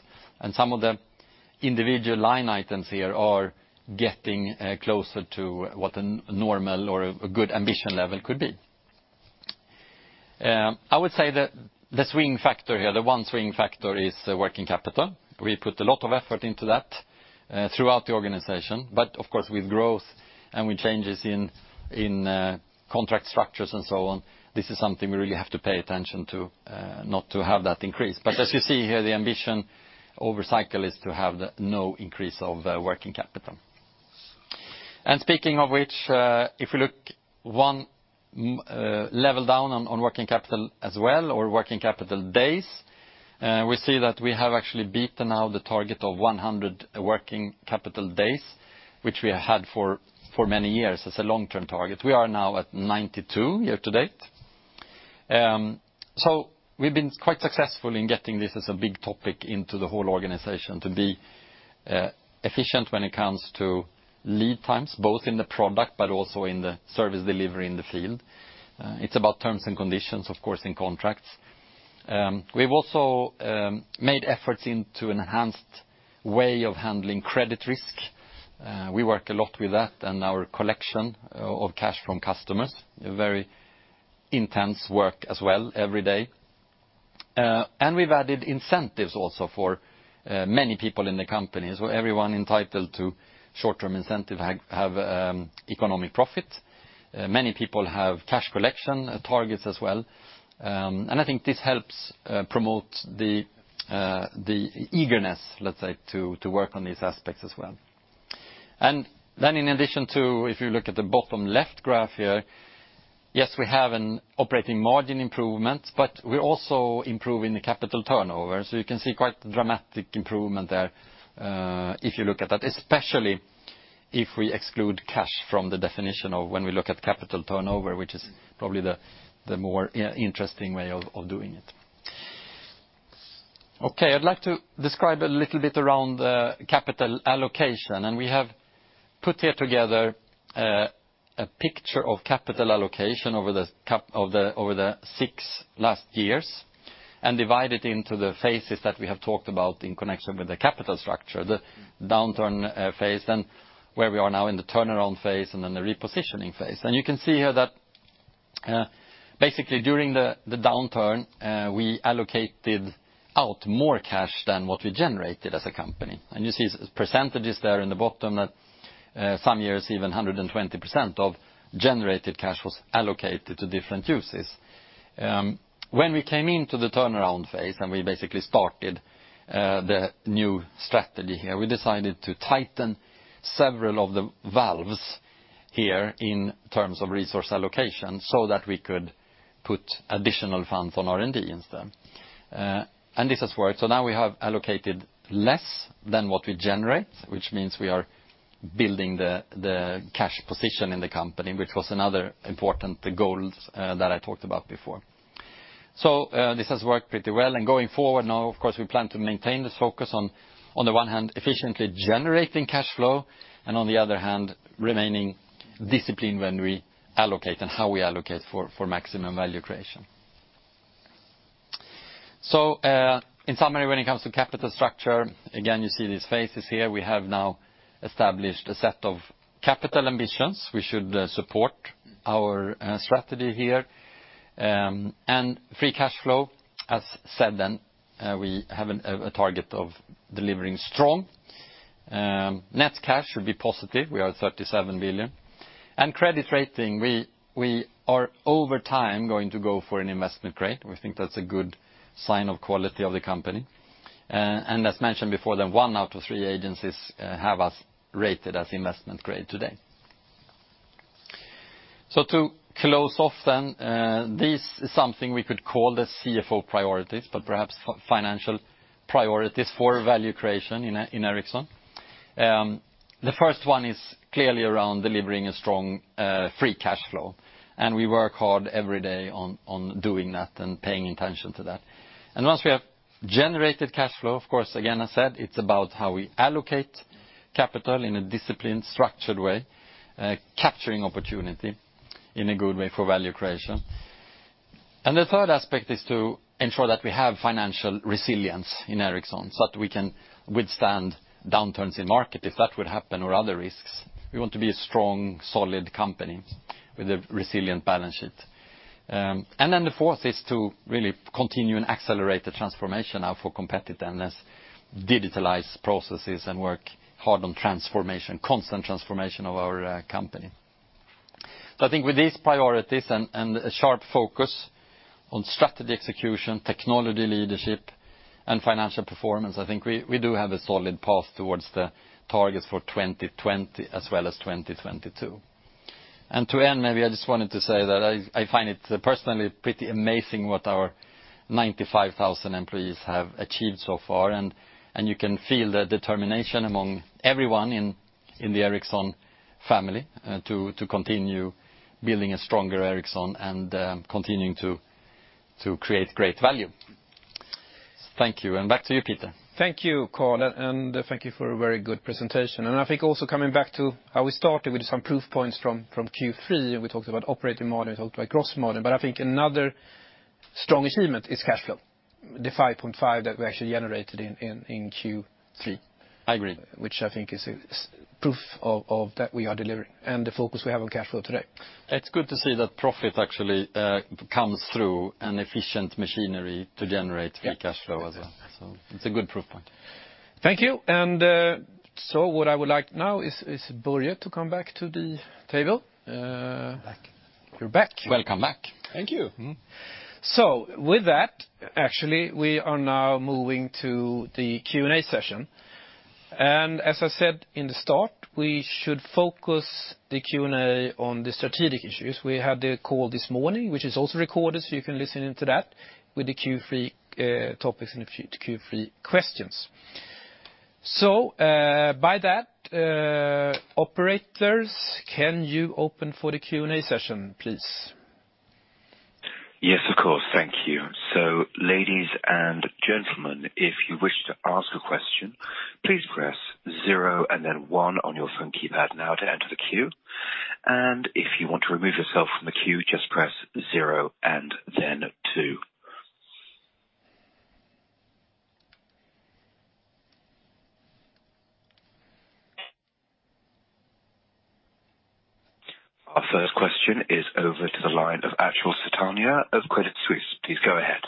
and some of the individual line items here are getting closer to what a normal or a good ambition level could be. I would say that the one swing factor is working capital. We put a lot of effort into that throughout the organization. Of course, with growth and with changes in contract structures and so on, this is something we really have to pay attention to, not to have that increase. As you see here, the ambition over cycle is to have no increase of working capital. Speaking of which, if we look one level down on working capital as well, or working capital days, we see that we have actually beaten now the target of 100 working capital days, which we had for many years as a long-term target. We are now at 92 year to date. We've been quite successful in getting this as a big topic into the whole organization to be efficient when it comes to lead times, both in the product but also in the service delivery in the field. It's about terms and conditions, of course, in contracts. We've also made efforts into enhanced way of handling credit risk. We work a lot with that and our collection of cash from customers, very intense work as well every day. We've added incentives also for many people in the company. Everyone entitled to short-term incentive have economic profit. Many people have cash collection targets as well. I think this helps promote the eagerness, let's say, to work on these aspects as well. In addition to, if you look at the bottom left graph here, yes, we have an operating margin improvement, but we're also improving the capital turnover. You can see quite dramatic improvement there if you look at that, especially if we exclude cash from the definition of when we look at capital turnover, which is probably the more interesting way of doing it. Okay. I'd like to describe a little bit around capital allocation. We have put here together a picture of capital allocation over the six last years and divide it into the phases that we have talked about in connection with the capital structure, the downturn phase, then where we are now in the turnaround phase, and then the repositioning phase. You can see here that basically during the downturn, we allocated out more cash than what we generated as a company. You see percentages there in the bottom that some years even 120% of generated cash was allocated to different uses. When we came into the turnaround phase and we basically started the new strategy here, we decided to tighten several of the valves here in terms of resource allocation so that we could put additional funds on R&D instead. This has worked. Now we have allocated less than what we generate, which means we are building the cash position in the company, which was another important goal that I talked about before. This has worked pretty well. Going forward now, of course, we plan to maintain this focus on the one hand, efficiently generating cash flow, and on the other hand, remaining disciplined when we allocate and how we allocate for maximum value creation. In summary, when it comes to capital structure, again, you see these phases here. We have now established a set of capital ambitions. We should support our strategy here. Free cash flow, as said then, we have a target of delivering strong. Net cash should be positive. We are 37 billion. Credit rating, we are over time going to go for an investment grade. We think that's a good sign of quality of the company. As mentioned before, that one out of three agencies have us rated as investment grade today. To close off, this is something we could call the CFO priorities, but perhaps financial priorities for value creation in Ericsson. The first one is clearly around delivering a strong free cash flow, and we work hard every day on doing that and paying attention to that. Once we have generated cash flow, of course, again, I said, it's about how we allocate capital in a disciplined, structured way, capturing opportunity in a good way for value creation. The third aspect is to ensure that we have financial resilience in Ericsson so that we can withstand downturns in market if that would happen or other risks. We want to be a strong, solid company with a resilient balance sheet. The fourth is to really continue and accelerate the transformation now for competitiveness, digitalize processes, and work hard on transformation, constant transformation of our company. I think with these priorities and a sharp focus on strategy execution, technology leadership, and financial performance, I think we do have a solid path towards the targets for 2020 as well as 2022. To end, maybe I just wanted to say that I find it personally pretty amazing what our 95,000 employees have achieved so far. You can feel the determination among everyone in the Ericsson family to continue building a stronger Ericsson and continuing to create great value. Thank you, and back to you, Peter. Thank you, Carl, and thank you for a very good presentation. I think also coming back to how we started with some proof points from Q3, and we talked about operating model, we talked about growth model. I think another strong achievement is cash flow, the 5.5 that we actually generated in Q3. I agree. Which I think is proof that we are delivering and the focus we have on cash flow today. It's good to see that profit actually comes through an efficient machinery to generate free cash flow as well. Yes. It's a good proof point. Thank you. What I would like now is Börje to come back to the table. I'm back. You're back. Welcome back. Thank you. With that, actually, we are now moving to the Q&A session. As I said in the start, we should focus the Q&A on the strategic issues. We had the call this morning, which is also recorded, so you can listen into that with the Q3 topics and Q3 questions. By that, operators, can you open for the Q&A session, please? Yes, of course. Thank you. Ladies and gentlemen, if you wish to ask a question, please press zero and then one on your phone keypad now to enter the queue. If you want to remove yourself from the queue, just press zero and then two. Our first question is over to the line of Achal Sultania of Credit Suisse. Please go ahead.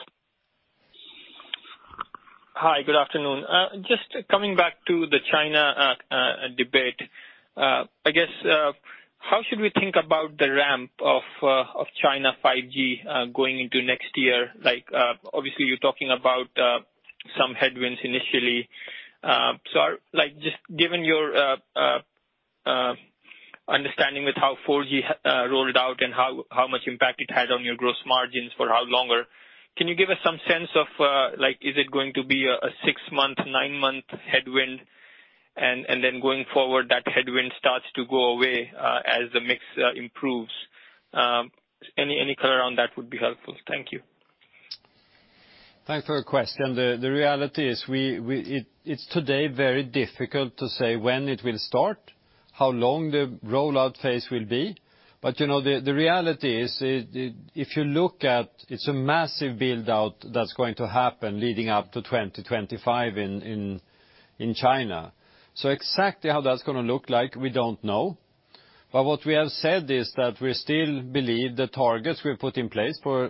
Hi, good afternoon. Just coming back to the China debate. I guess, how should we think about the ramp of China 5G going into next year? Obviously, you're talking about some headwinds initially. Just given your understanding with how 4G rolled out and how much impact it had on your gross margins for how longer, can you give us some sense of is it going to be a six-month, nine-month headwind? Going forward, that headwind starts to go away as the mix improves. Any color on that would be helpful. Thank you. Thanks for your question. The reality is it's today very difficult to say when it will start, how long the rollout phase will be. The reality is if you look at it's a massive build-out that's going to happen leading up to 2025 in China. Exactly how that's going to look like, we don't know. What we have said is that we still believe the targets we put in place for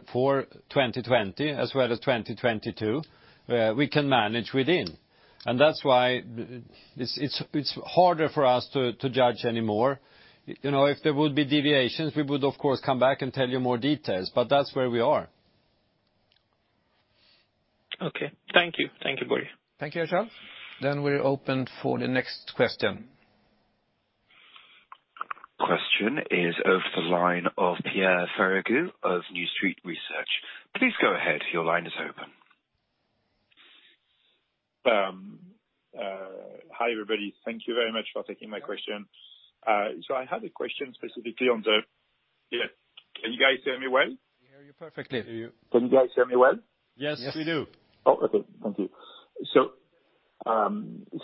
2020 as well as 2022, we can manage within. That's why it's harder for us to judge anymore. If there would be deviations, we would, of course, come back and tell you more details, but that's where we are. Okay. Thank you. Thank you, Börje. Thank you, Achal. We're open for the next question. Question is over the line of Pierre Ferragu of New Street Research. Please go ahead. Your line is open. Hi, everybody. Thank you very much for taking my question. Can you guys hear me well? We hear you perfectly. We hear you. Can you guys hear me well? Yes, we do. Oh, okay. Thank you.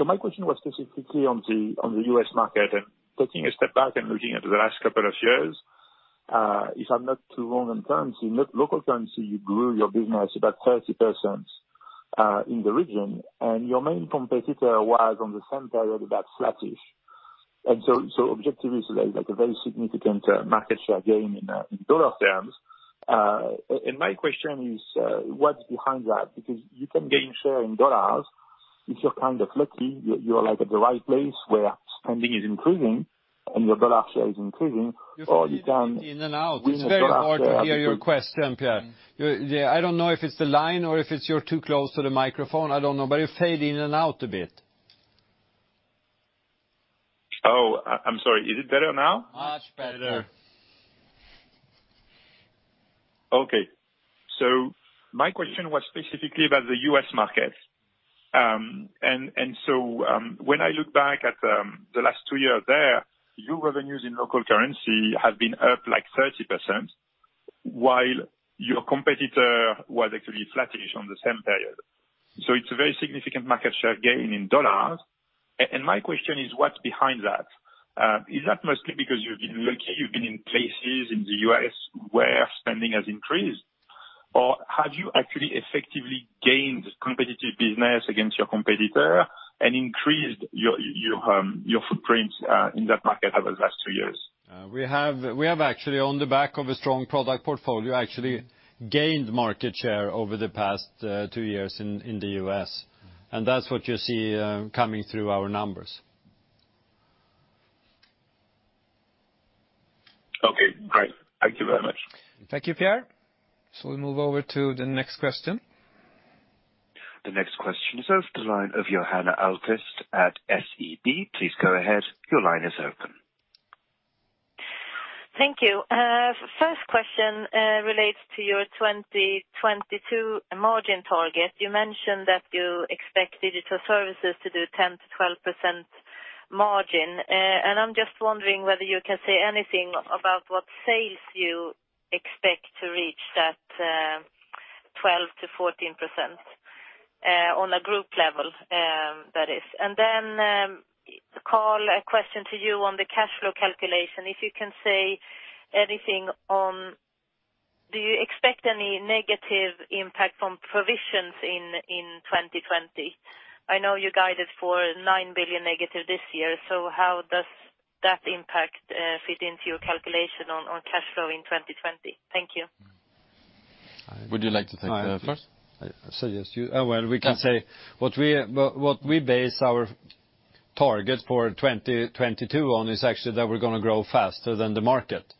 My question was specifically on the U.S. market and taking a step back and looking at the last couple of years, if I'm not too wrong in terms, in local currency, you grew your business about 30% in the region, and your main competitor was on the same period about flattish. Objectively, like a very significant market share gain in dollar terms. My question is, what's behind that? Because you can gain share in dollars if you're kind of lucky, you're like at the right place where spending is increasing and your dollar share is increasing. You're fading in and out. It's very hard to hear your question, Pierre. I don't know if it's the line or if it's you're too close to the microphone, I don't know, but you fade in and out a bit. Oh, I'm sorry. Is it better now? Much better. Much better. Okay. My question was specifically about the U.S. market. When I look back at the last two years there, your revenues in local currency have been up like 30%, while your competitor was actually flattish on the same period. It's a very significant market share gain in dollars, and my question is, what's behind that? Is that mostly because you've been lucky, you've been in places in the U.S. where spending has increased? Have you actually effectively gained competitive business against your competitor and increased your footprints in that market over the last two years? We have actually, on the back of a strong product portfolio, actually gained market share over the past two years in the U.S. That's what you see coming through our numbers. Okay, great. Thank you very much. Thank you, Pierre. We move over to the next question. The next question is over the line of Johanna Adde at SEB. Please go ahead. Your line is open. Thank you. First question relates to your 2022 margin target. You mentioned that you expect Digital Services to do 10%-12% margin. I'm just wondering whether you can say anything about what sales you expect to reach that 12%-14%, on a group level that is. Carl, a question to you on the cash flow calculation. If you can say anything on, do you expect any negative impact from provisions in 2020? I know you guided for 9 billion negative this year, so how does that impact fit into your calculation on cash flow in 2020? Thank you. Would you like to take that first? I suggest you. Well, we can say what we base our target for 2022 on is actually that we're going to grow faster than the market.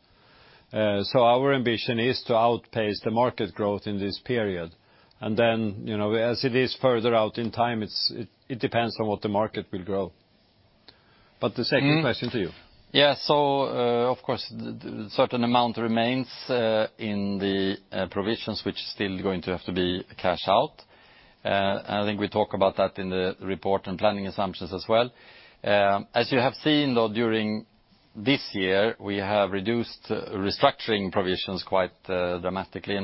Our ambition is to outpace the market growth in this period. As it is further out in time, it depends on what the market will grow. The second question to you. Of course, certain amount remains in the provisions which still going to have to be cashed out. I think we talk about that in the report and planning assumptions as well. As you have seen though, during this year, we have reduced restructuring provisions quite dramatically.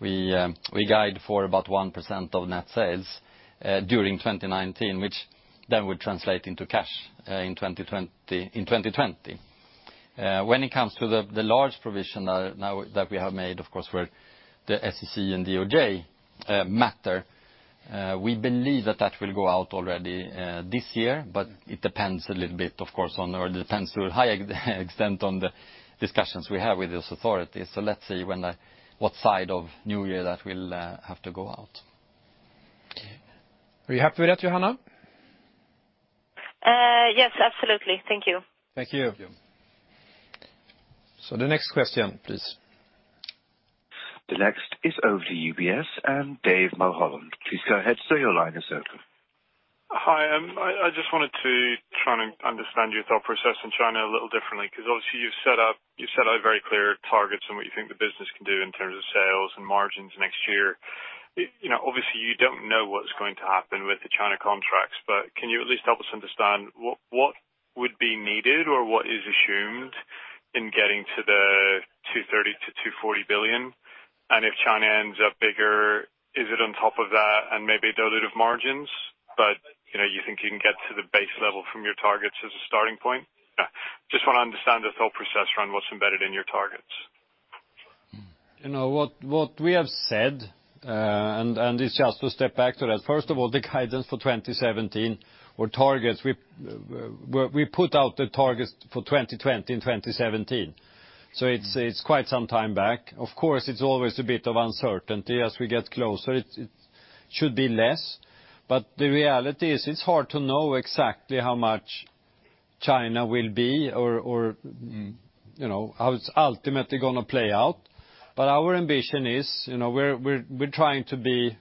We guide for about 1% of net sales during 2019, which would translate into cash in 2020. When it comes to the large provision now that we have made, of course, for the SEC and DOJ matter, we believe that that will go out already this year, it depends a little bit, of course, or it depends to a high extent on the discussions we have with these authorities. Let's see what side of new year that will have to go out. Are you happy with that, Johanna? Yes, absolutely. Thank you. Thank you. Thank you. The next question, please. The next is over to UBS and David Mulholland. Please go ahead, sir, your line is open. Hi. I just wanted to understand your thought process in China a little differently, because obviously you've set out very clear targets on what you think the business can do in terms of sales and margins next year. Obviously, you don't know what's going to happen with the China contracts, but can you at least help us understand what would be needed or what is assumed in getting to the 230 billion-240 billion? If China ends up bigger, is it on top of that and maybe dilutive margins? You think you can get to the base level from your targets as a starting point? Just want to understand the thought process around what's embedded in your targets. What we have said, it's just to step back to that, first of all, the guidance for 2017 or targets, we put out the targets for 2020 in 2017. It's quite some time back. Of course, it's always a bit of uncertainty as we get closer. It should be less, the reality is it's hard to know exactly how much China will be or how it's ultimately going to play out. Our ambition is we're trying to be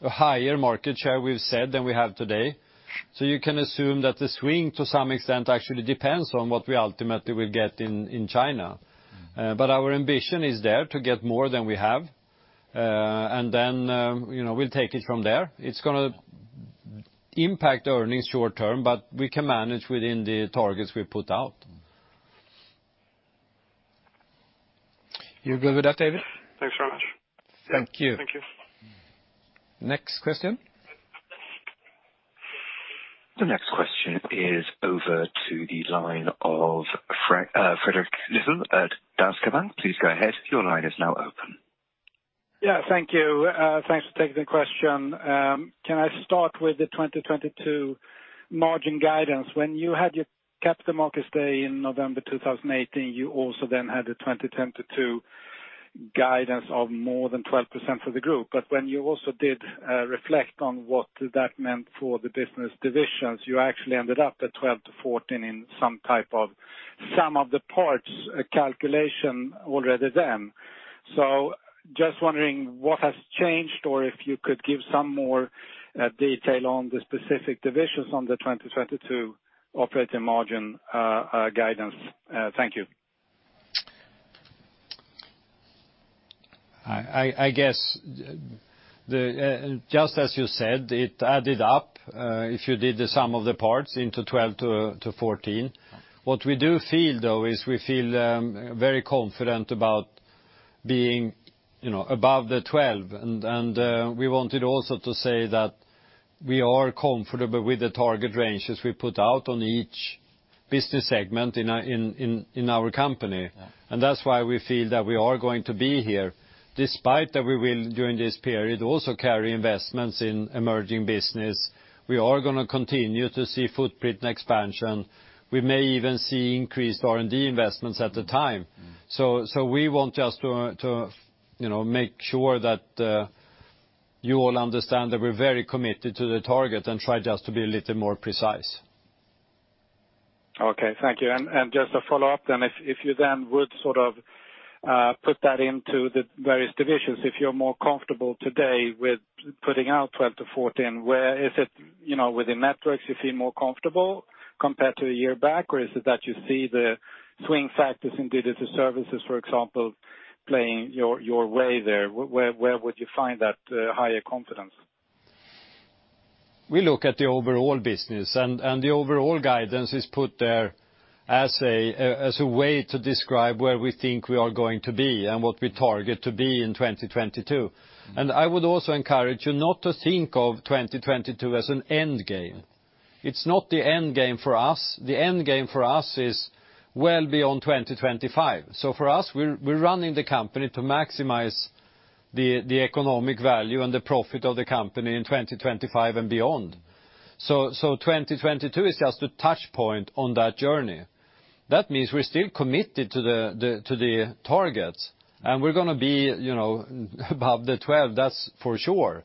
a higher market share, we've said, than we have today. You can assume that the swing, to some extent, actually depends on what we ultimately will get in China. Our ambition is there to get more than we have. We'll take it from there. It's going to impact earnings short term, we can manage within the targets we put out. You good with that, David? Thanks very much. Thank you. Thank you. Next question. The next question is over to the line of Fredrik Lithell at Danske Bank. Please go ahead. Your line is now open. Yeah, thank you. Thanks for taking the question. Can I start with the 2022 margin guidance? When you had your Capital Markets Day in November 2018, you also then had a 2022 guidance of more than 12% for the group. When you also did reflect on what that meant for the business divisions, you actually ended up at 12%-14% in some type of sum of the parts calculation already then. Just wondering what has changed, or if you could give some more detail on the specific divisions on the 2022 operating margin guidance. Thank you. I guess, just as you said, it added up, if you did the sum of the parts into 12-14. What we do feel though is we feel very confident about being above the 12. We wanted also to say that we are comfortable with the target ranges we put out on each business segment in our company. Yeah. That's why we feel that we are going to be here, despite that we will, during this period, also carry investments in emerging business. We are going to continue to see footprint expansion. We may even see increased R&D investments at the time. We want just to make sure that you all understand that we're very committed to the target and try just to be a little more precise. Okay, thank you. Just a follow-up. If you would put that into the various divisions, if you are more comfortable today with putting out 12-14, where is it within Networks you feel more comfortable compared to a year back? Is it that you see the swing factors in Digital Services, for example, playing your way there? Where would you find that higher confidence? We look at the overall business. The overall guidance is put there as a way to describe where we think we are going to be and what we target to be in 2022. I would also encourage you not to think of 2022 as an end game. It's not the end game for us. The end game for us is well beyond 2025. For us, we're running the company to maximize the economic value and the profit of the company in 2025 and beyond. 2022 is just a touch point on that journey. That means we're still committed to the targets, and we're going to be above the 12, that's for sure.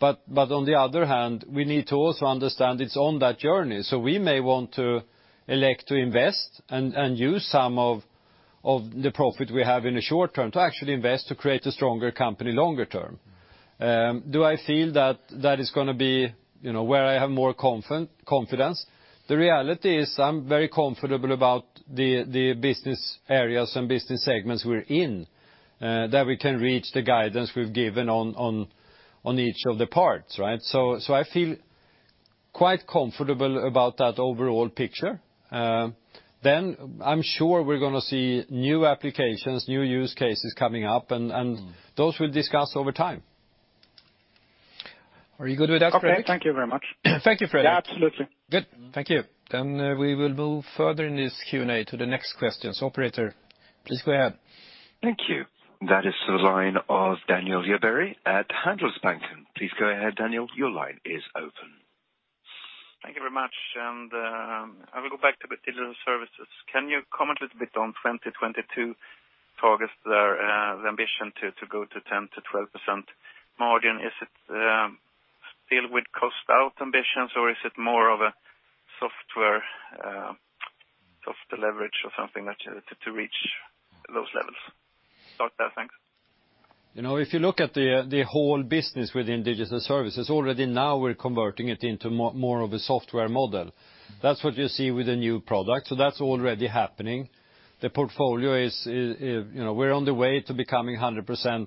On the other hand, we need to also understand it's on that journey. We may want to elect to invest and use some of the profit we have in the short term to actually invest to create a stronger company longer term. Do I feel that that is going to be where I have more confidence? The reality is I'm very comfortable about the business areas and business segments we're in, that we can reach the guidance we've given on each of the parts, right? I feel quite comfortable about that overall picture. I'm sure we're going to see new applications, new use cases coming up, and those we'll discuss over time. Are you good with that, Fredrik? Okay, thank you very much. Thank you, Fredrik. Yeah, absolutely. Good. Thank you. We will move further in this Q&A to the next questions. Operator, please go ahead. Thank you. That is the line of Daniel Djurberg at Handelsbanken. Please go ahead, Daniel. Your line is open. Thank you very much. I will go back to Digital Services. Can you comment a little bit on 2022 targets there, the ambition to go to 10%-12% margin? Is it still with cost out ambitions, or is it more of a software leverage of something to reach those levels. Start there. Thanks. If you look at the whole business within Digital Services, already now we're converting it into more of a software model. That's what you see with the new product. That's already happening. The portfolio, we're on the way to becoming 100%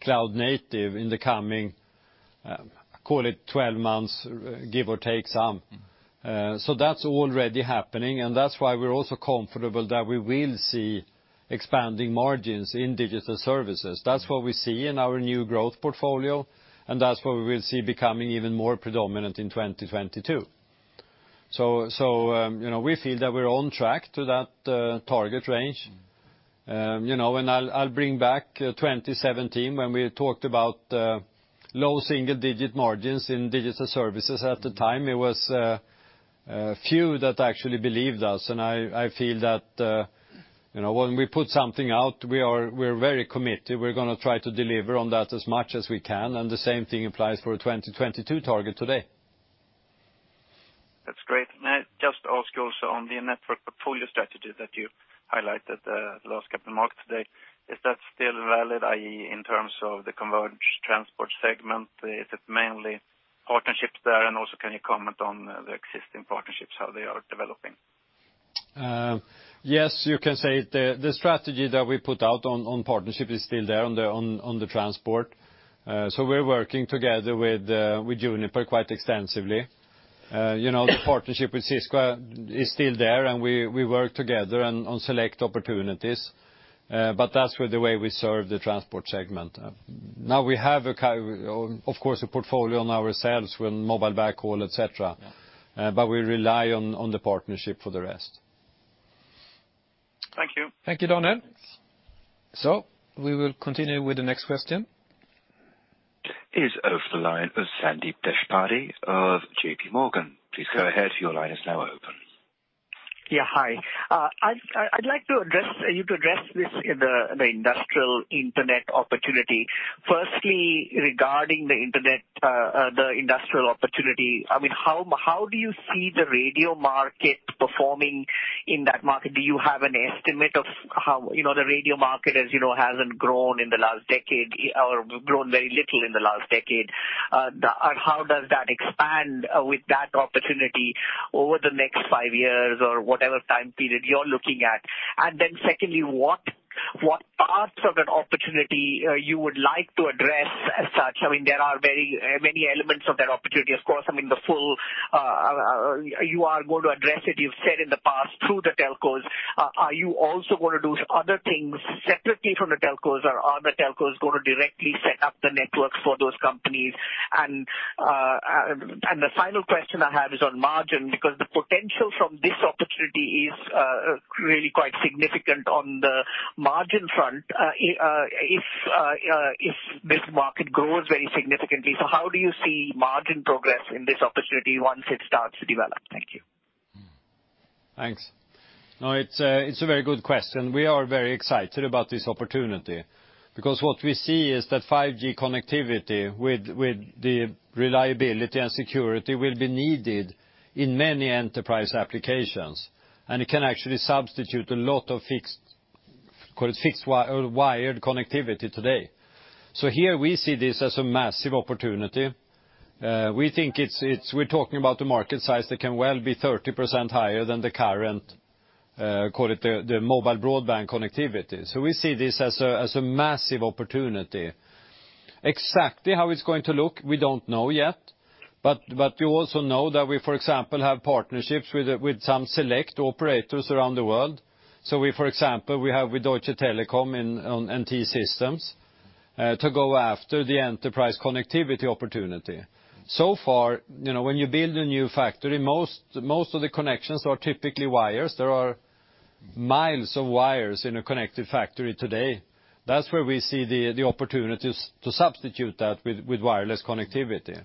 cloud native in the coming, call it 12 months, give or take some. That's already happening, and that's why we're also comfortable that we will see expanding margins in Digital Services. That's what we see in our new growth portfolio, and that's what we will see becoming even more predominant in 2022. We feel that we're on track to that target range. I'll bring back 2017 when we talked about low single-digit margins in Digital Services at the time. It was a few that actually believed us, and I feel that when we put something out, we're very committed. We're going to try to deliver on that as much as we can, and the same thing applies for a 2022 target today. That's great. Can I just ask also on the network portfolio strategy that you highlighted at the last Capital Markets Day, is that still valid, i.e., in terms of the converged transport segment? Is it mainly partnerships there? Also, can you comment on the existing partnerships, how they are developing? Yes, you can say the strategy that we put out on partnership is still there on the transport. We're working together with Juniper quite extensively. The partnership with Cisco is still there, and we work together on select opportunities. That's the way we serve the transport segment. Now we have, of course, a portfolio on our sales with mobile backhaul, et cetera. We rely on the partnership for the rest. Thank you. Thank you, Daniel. We will continue with the next question. Is over the line with Sandeep Deshpande of J.P. Morgan. Please go ahead. Your line is now open. Yeah. Hi. I'd like you to address this in the industrial internet opportunity. Firstly, regarding the internet, the industrial opportunity, how do you see the radio market performing in that market? Do you have an estimate of how the radio market, as you know, hasn't grown in the last decade, or grown very little in the last decade? How does that expand with that opportunity over the next five years or whatever time period you're looking at? Secondly, what parts of that opportunity you would like to address as such? There are very many elements of that opportunity, of course. You are going to address it, you've said in the past, through the telcos. Are you also going to do other things separately from the telcos, or are the telcos going to directly set up the networks for those companies? The final question I have is on margin, because the potential from this opportunity is really quite significant on the margin front, if this market grows very significantly. How do you see margin progress in this opportunity once it starts to develop? Thank you. Thanks. It's a very good question. We are very excited about this opportunity, because what we see is that 5G connectivity with the reliability and security will be needed in many enterprise applications, and it can actually substitute a lot of fixed wired connectivity today. Here, we see this as a massive opportunity. We're talking about a market size that can well be 30% higher than the current, call it, the mobile broadband connectivity. We see this as a massive opportunity. Exactly how it's going to look, we don't know yet, but we also know that we, for example, have partnerships with some select operators around the world. For example, we have with Deutsche Telekom and T-Systems to go after the enterprise connectivity opportunity. So far, when you build a new factory, most of the connections are typically wires. There are miles of wires in a connected factory today. That's where we see the opportunities to substitute that with wireless connectivity.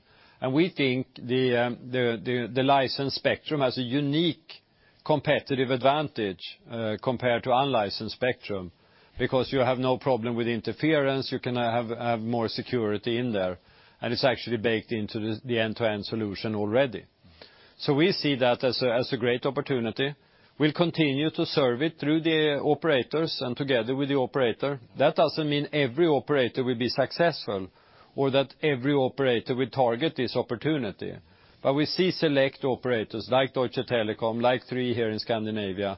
We think the licensed spectrum has a unique competitive advantage compared to unlicensed spectrum, because you have no problem with interference, you can have more security in there, and it's actually baked into the end-to-end solution already. We see that as a great opportunity. We'll continue to serve it through the operators and together with the operator. That doesn't mean every operator will be successful or that every operator will target this opportunity. We see select operators like Deutsche Telekom, like Three here in Scandinavia,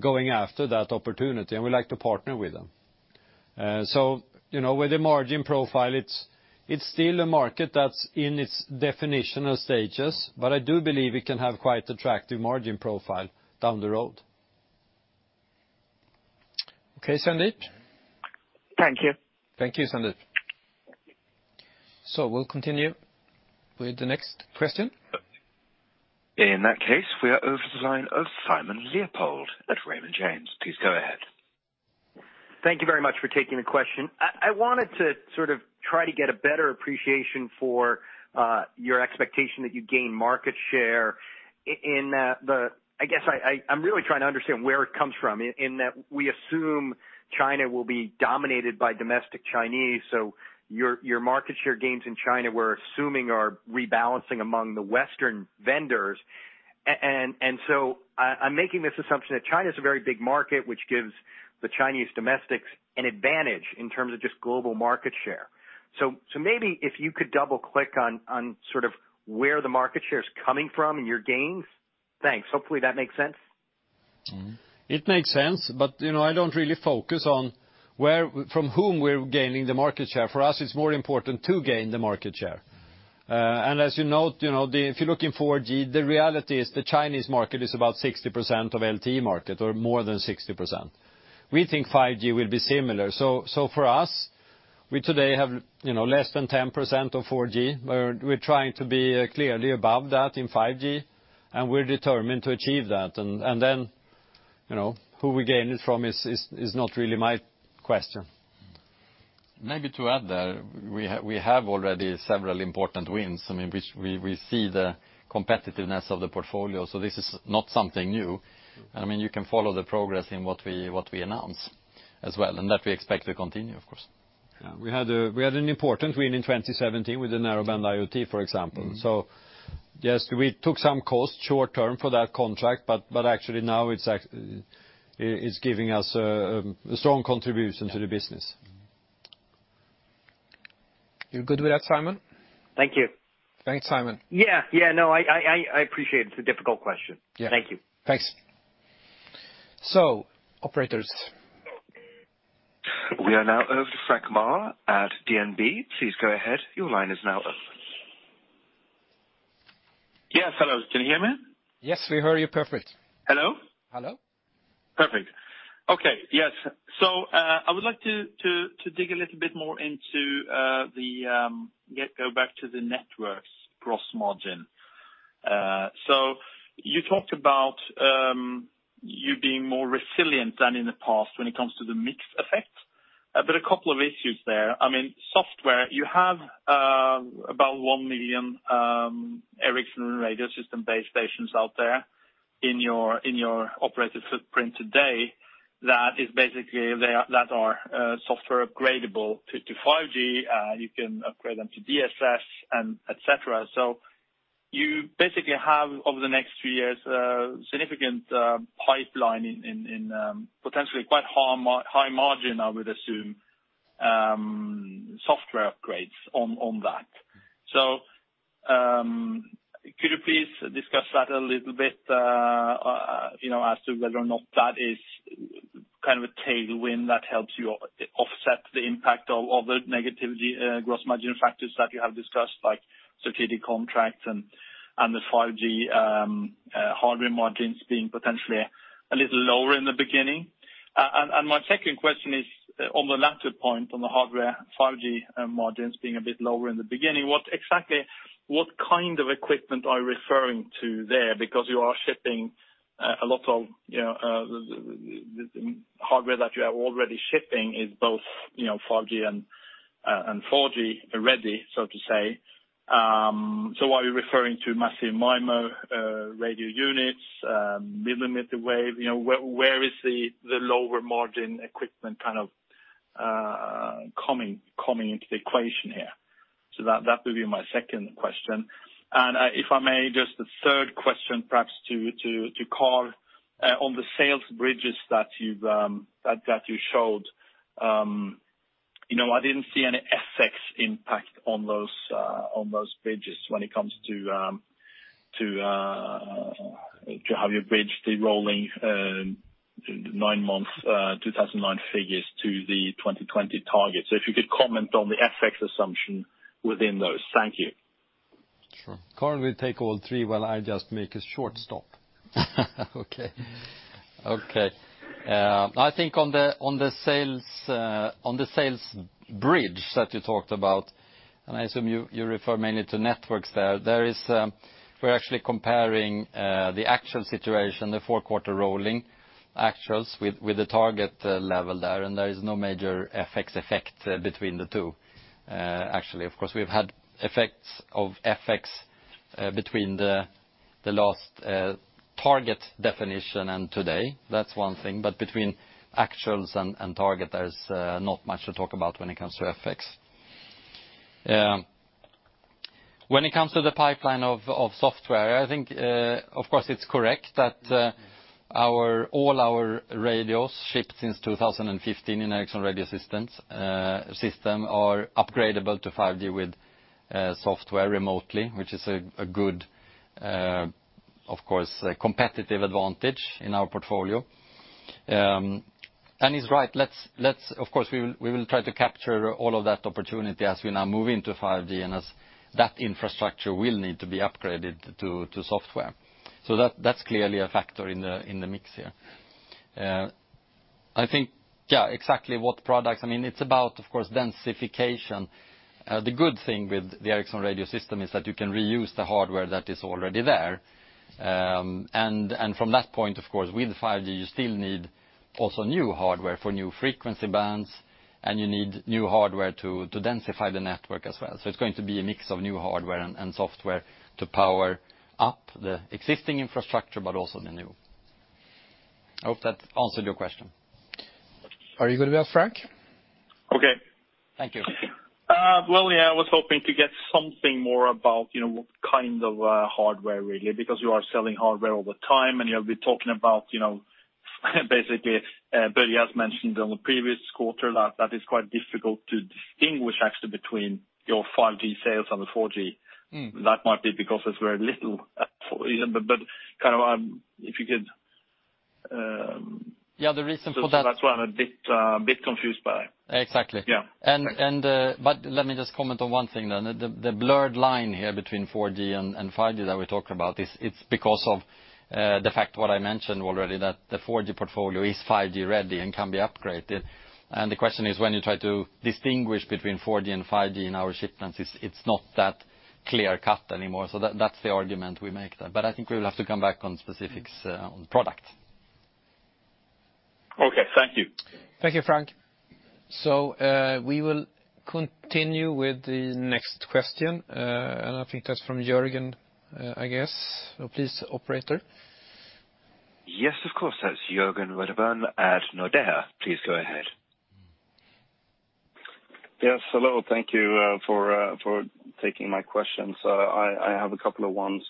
going after that opportunity, and we like to partner with them. With the margin profile, it's still a market that's in its definitional stages, but I do believe it can have quite attractive margin profile down the road. Okay, Sandeep. Thank you. Thank you, Sandeep. We'll continue with the next question. In that case, we are over the line of Simon Leopold at Raymond James. Please go ahead. Thank you very much for taking the question. I wanted to try to get a better appreciation for your expectation that you gain market share in the. I guess I'm really trying to understand where it comes from, in that we assume China will be dominated by domestic Chinese. Your market share gains in China, we're assuming, are rebalancing among the Western vendors. I'm making this assumption that China is a very big market, which gives the Chinese domestics an advantage in terms of just global market share. Maybe if you could double-click on sort of where the market share is coming from in your gains. Thanks. Hopefully, that makes sense. It makes sense. I don't really focus on from whom we're gaining the market share. For us, it's more important to gain the market share. As you note, if you're looking for 4G, the reality is the Chinese market is about 60% of LTE market or more than 60%. We think 5G will be similar. For us, we today have less than 10% of 4G. We're trying to be clearly above that in 5G, and we're determined to achieve that. Who we gain it from is not really my question. Maybe to add there, we have already several important wins, I mean, which we see the competitiveness of the portfolio, so this is not something new. You can follow the progress in what we announce as well, and that we expect to continue, of course. Yeah. We had an important win in 2017 with the Narrowband IoT, for example. Yes, we took some cost short-term for that contract, but actually now it's giving us a strong contribution to the business. You good with that, Simon? Thank you. Thanks, Simon. Yeah. No, I appreciate it. It's a difficult question. Yeah. Thank you. Thanks. Operators. We are now over to Frank Ma at DNB. Please go ahead. Your line is now open. Yes, hello. Can you hear me? Yes, we hear you perfect. Hello? Hello. Perfect. Okay. Yes. I would like to dig a little bit more into the Networks' gross margin. You talked about you being more resilient than in the past when it comes to the mix effect. A couple of issues there. I mean, software, you have about 1 million Ericsson Radio System base stations out there in your operative footprint today that are software upgradable to 5G. You can upgrade them to DSS, and et cetera. You basically have over the next few years, a significant pipeline in potentially quite high margin, I would assume, software upgrades on that. Could you please discuss that a little bit, as to whether or not that is kind of a tailwind that helps you offset the impact of the negative gross margin factors that you have discussed, like strategic contracts and the 5G hardware margins being potentially a little lower in the beginning? My second question is on the latter point, on the hardware 5G margins being a bit lower in the beginning. What kind of equipment are you referring to there? Because the hardware that you are already shipping is both 5G and 4G ready, so to say. Are you referring to massive MIMO radio units, millimeter wave? Where is the lower margin equipment coming into the equation here? That would be my second question. If I may, just a third question, perhaps to Carl. On the sales bridges that you showed, I didn't see any FX impact on those bridges when it comes to how you bridge the rolling nine months 2009 figures to the 2020 target. If you could comment on the FX assumption within those. Thank you. Sure. Carl will take all three while I just make a short stop. Okay. I think on the sales bridge that you talked about, I assume you refer mainly to networks there. We're actually comparing the actual situation, the four quarter rolling actuals with the target level there is no major FX effect between the two. Actually, of course, we've had effects of FX between the last target definition and today. That's one thing, between actuals and target, there's not much to talk about when it comes to FX. When it comes to the pipeline of software, I think, of course, it's correct that all our radios shipped since 2015 in Ericsson Radio System are upgradable to 5G with software remotely, which is a good, of course, competitive advantage in our portfolio. He's right. Of course, we will try to capture all of that opportunity as we now move into 5G, and as that infrastructure will need to be upgraded to software. That's clearly a factor in the mix here. I think, yeah, exactly what products. I mean, it's about, of course, densification. The good thing with the Ericsson Radio System is that you can reuse the hardware that is already there. From that point, of course, with 5G, you still need also new hardware for new frequency bands, and you need new hardware to densify the network as well. It's going to be a mix of new hardware and software to power up the existing infrastructure, but also the new. I hope that answered your question. Are you good with that, Frank? Okay. Thank you. Well, yeah, I was hoping to get something more about what kind of hardware really, because you are selling hardware all the time, and you have been talking about basically, Börje has mentioned on the previous quarter that is quite difficult to distinguish actually between your 5G sales and the 4G. That might be because it's very little. Yeah, the reason for that. That's what I'm a bit confused by. Exactly. Yeah. Let me just comment on one thing then. The blurred line here between 4G and 5G that we talked about, it's because of the fact what I mentioned already, that the 4G portfolio is 5G ready and can be upgraded. The question is, when you try to distinguish between 4G and 5G in our shipments, it's not that clear cut anymore. That's the argument we make there. I think we'll have to come back on specifics on product. Okay. Thank you. Thank you, Frank. We will continue with the next question. I think that's from Jörgen, I guess. Please, operator. Yes, of course. That's Jörgen Rudén at Nordea. Please go ahead. Yes, hello. Thank you for taking my questions. I have a couple of ones.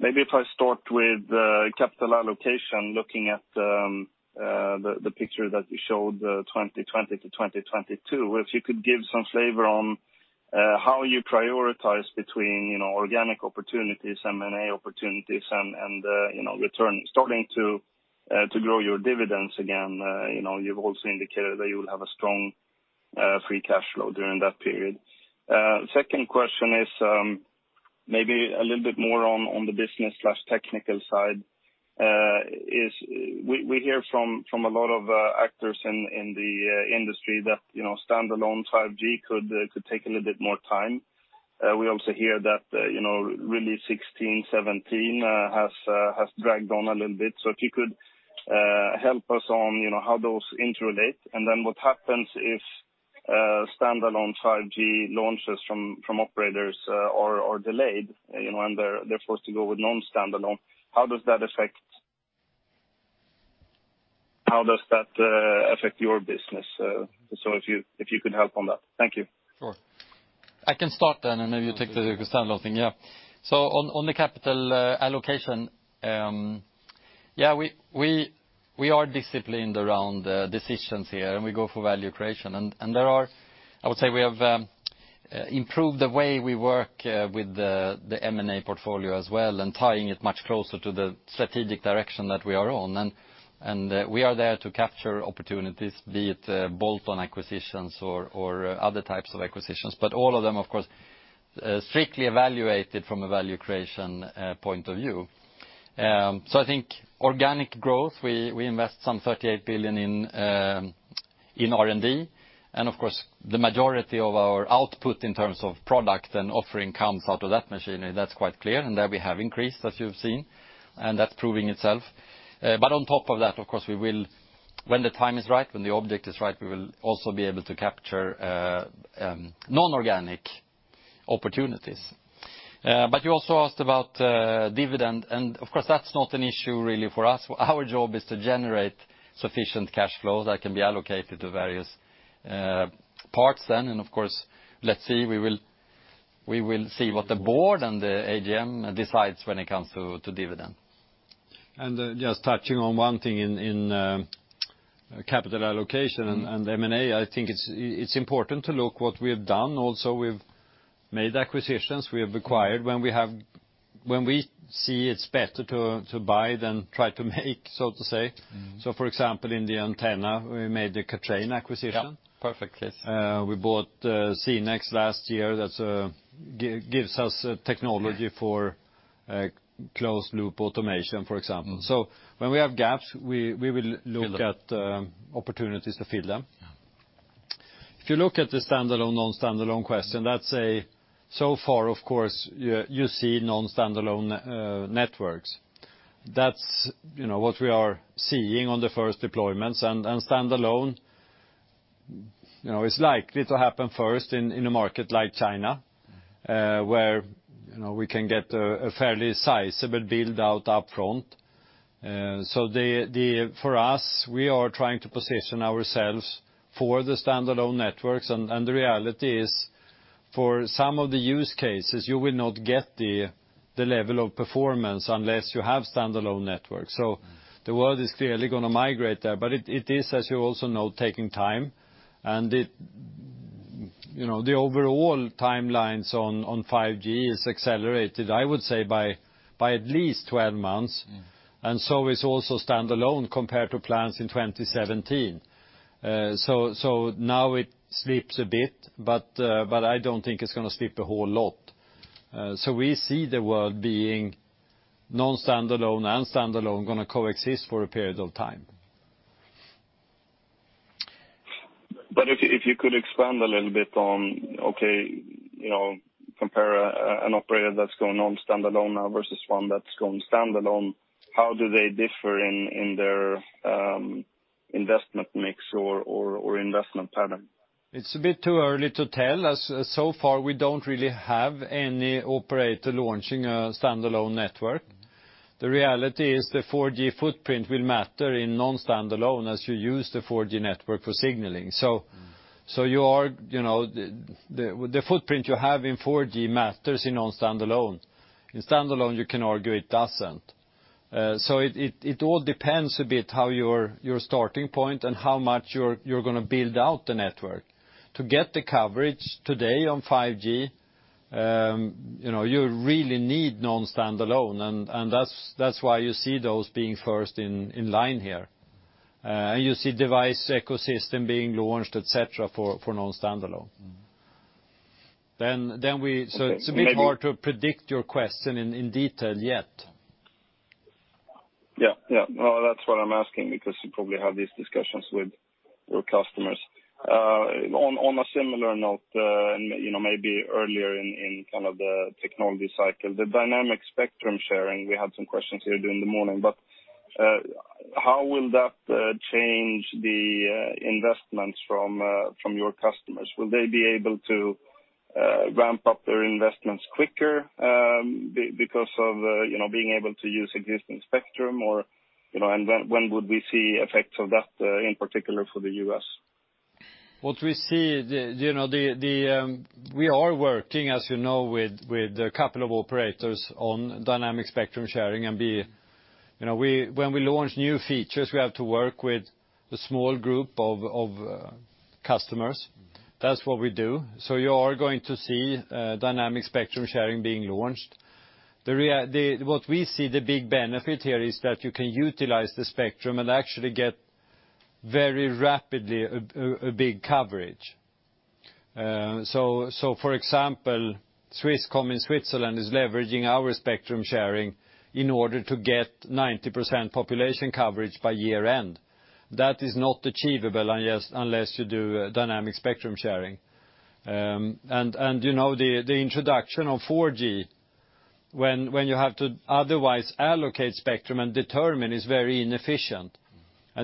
Maybe if I start with capital allocation, looking at the picture that you showed, the 2020 to 2022. If you could give some flavor on how you prioritize between organic opportunities, M&A opportunities, and return, starting to grow your dividends again. You've also indicated that you will have a strong free cash flow during that period. Second question is maybe a little bit more on the business/technical side. We hear from a lot of actors in the industry that standalone 5G could take a little bit more time. We also hear that Release 16, 17 has dragged on a little bit. If you could help us on how those interrelate, and then what happens if standalone 5G launches from operators are delayed, and they're forced to go with non-standalone. How does that affect your business? If you could help on that. Thank you. Sure. I can start, and maybe you take the standalone thing. On the capital allocation, we are disciplined around decisions here, and we go for value creation. I would say we have improved the way we work with the M&A portfolio as well and tying it much closer to the strategic direction that we are on. We are there to capture opportunities, be it bolt-on acquisitions or other types of acquisitions. All of them, of course, strictly evaluated from a value creation point of view. I think organic growth, we invest some 38 billion in R&D. Of course, the majority of our output in terms of product and offering comes out of that machinery. That's quite clear, and there we have increased, as you've seen. That's proving itself. On top of that, of course, when the time is right, when the object is right, we will also be able to capture non-organic opportunities. You also asked about dividend, and of course, that's not an issue really for us. Our job is to generate sufficient cash flows that can be allocated to various parts then. Of course, let's see. We will see what the board and the AGM decides when it comes to dividend. Just touching on one thing in capital allocation and M&A, I think it's important to look what we have done also. We've made acquisitions, we have acquired when we see it's better to buy than try to make, so to say. For example, in the antenna, we made the Kathrein acquisition. Yeah. Perfectly. We bought CENX last year. That gives us technology for closed loop automation, for example. When we have gaps, we will look at opportunities to fill them. Yeah. If you look at the standalone, non-standalone question, let's say so far, of course, you see non-standalone networks. That's what we are seeing on the first deployments, standalone is likely to happen first in a market like China, where we can get a fairly sizable build-out upfront. For us, we are trying to position ourselves for the standalone networks, the reality is, for some of the use cases, you will not get the level of performance unless you have standalone networks. The world is clearly going to migrate there, it is, as you also know, taking time, the overall timelines on 5G is accelerated, I would say, by at least 12 months. Is also standalone compared to plans in 2017. Now it sleeps a bit, I don't think it's going to sleep a whole lot. We see the world being non-standalone and standalone going to coexist for a period of time. If you could expand a little bit on, okay, compare an operator that's going non-standalone now versus one that's going standalone. How do they differ in their investment mix or investment pattern? It's a bit too early to tell, as so far, we don't really have any operator launching a standalone network. The reality is the 4G footprint will matter in non-standalone as you use the 4G network for signaling. The footprint you have in 4G matters in non-standalone. In standalone, you can argue it doesn't. It all depends a bit how your starting point and how much you're going to build out the network. To get the coverage today on 5G, you really need non-standalone, and that's why you see those being first in line here. You see device ecosystem being launched, et cetera, for non-standalone. It's a bit hard to predict your question in detail yet. Yeah. Well, that's what I'm asking, because you probably have these discussions with your customers. On a similar note, maybe earlier in kind of the technology cycle, the dynamic spectrum sharing, we had some questions here during the morning, how will that change the investments from your customers? Will they be able to ramp up their investments quicker because of being able to use existing spectrum? When would we see effects of that, in particular for the U.S.? What we see, we are working, as you know, with a couple of operators on dynamic spectrum sharing. When we launch new features, we have to work with a small group of customers. That's what we do. You are going to see dynamic spectrum sharing being launched. What we see the big benefit here is that you can utilize the spectrum and actually get very rapidly a big coverage. For example, Swisscom in Switzerland is leveraging our spectrum sharing in order to get 90% population coverage by year-end. That is not achievable unless you do dynamic spectrum sharing. The introduction of 4G, when you have to otherwise allocate spectrum and determine, is very inefficient.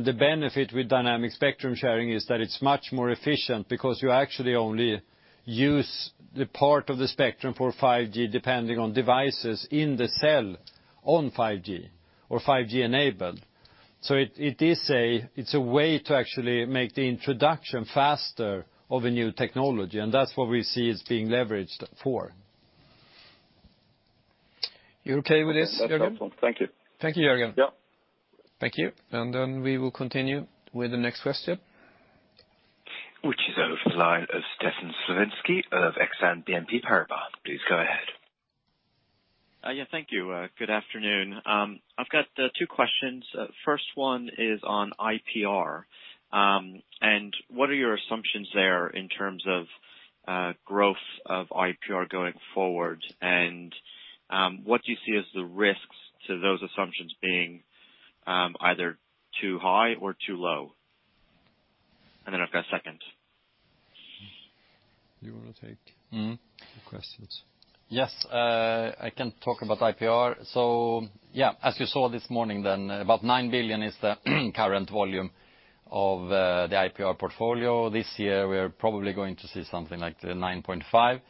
The benefit with dynamic spectrum sharing is that it's much more efficient because you actually only use the part of the spectrum for 5G, depending on devices in the cell on 5G or 5G enabled. It's a way to actually make the introduction faster of a new technology, and that's what we see it's being leveraged for. You okay with this, Jörgen? That's helpful. Thank you. Thank you, Jörgen. Yeah. Thank you. We will continue with the next question. Which is over the line of Stefan Slowinski of Exane BNP Paribas. Please go ahead. Yeah, thank you. Good afternoon. I've got two questions. First one is on IPR. What are your assumptions there in terms of growth of IPR going forward, and what do you see as the risks to those assumptions being either too high or too low? I've got a second. Do you want to take the questions? Yes. I can talk about IPR. Yeah, as you saw this morning then, about 9 billion is the current volume of the IPR portfolio. This year, we are probably going to see something like 9.5.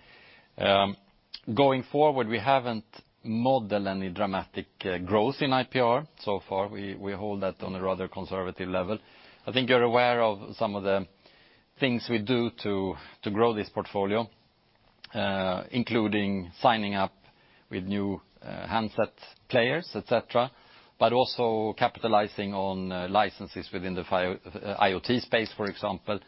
Going forward, we haven't modeled any dramatic growth in IPR so far. We hold that on a rather conservative level. I think you're aware of some of the things we do to grow this portfolio, including signing up with new handset players, et cetera, but also capitalizing on licenses within the IoT space, for example.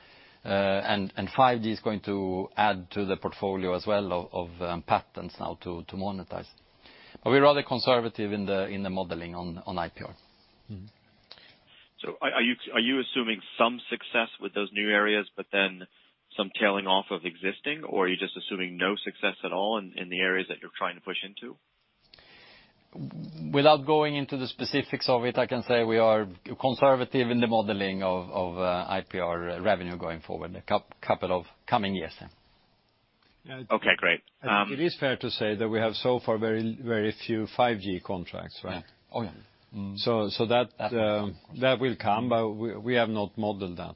5G is going to add to the portfolio as well of patents now to monetize. We're rather conservative in the modeling on IPR. Mm-hmm. Are you assuming some success with those new areas, but then some tailing off of existing, or are you just assuming no success at all in the areas that you're trying to push into? Without going into the specifics of it, I can say we are conservative in the modeling of IPR revenue going forward, a couple of coming years. Okay, great. It is fair to say that we have so far very few 5G contracts, right? Oh, yeah. That will come, but we have not modeled that.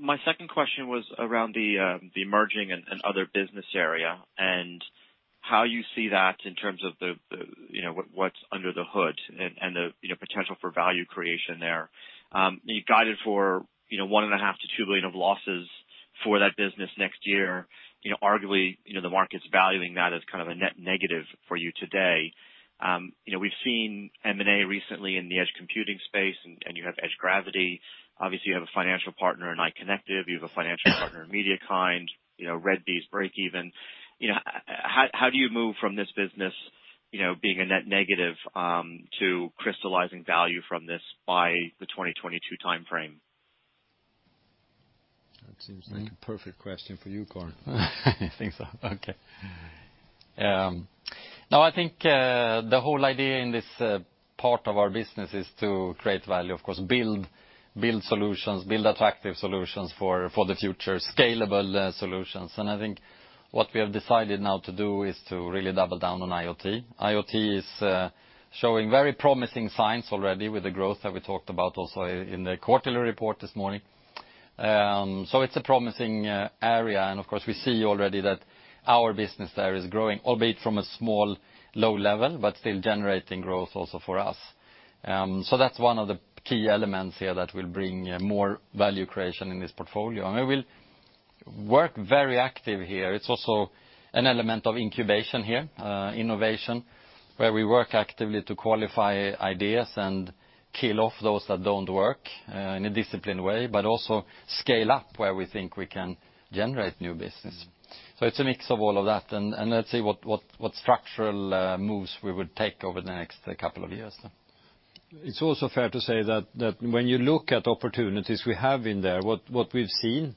My second question was around the emerging and other business area, and how you see that in terms of what's under the hood and the potential for value creation there. You guided for 1.5 billion-2 billion of losses for that business next year. Arguably, the market's valuing that as kind of a net negative for you today. We've seen M&A recently in the edge computing space, and you have Edge Gravity. Obviously, you have a financial partner in iconectiv. You have a financial partner in MediaKind. Red Bee's breakeven. How do you move from this business being a net negative to crystallizing value from this by the 2022 timeframe? It seems like a perfect question for you, Carl. You think so? Okay. I think the whole idea in this part of our business is to create value, of course, build attractive solutions for the future, scalable solutions. I think what we have decided now to do is to really double down on IoT. IoT is showing very promising signs already with the growth that we talked about also in the quarterly report this morning. It's a promising area, and of course, we see already that our business there is growing, albeit from a small low level, but still generating growth also for us. That's one of the key elements here that will bring more value creation in this portfolio. We will work very active here. It's also an element of incubation here, innovation, where we work actively to qualify ideas and kill off those that don't work in a disciplined way, but also scale up where we think we can generate new business. It's a mix of all of that, and let's see what structural moves we would take over the next couple of years. It's also fair to say that when you look at opportunities we have in there, what we've seen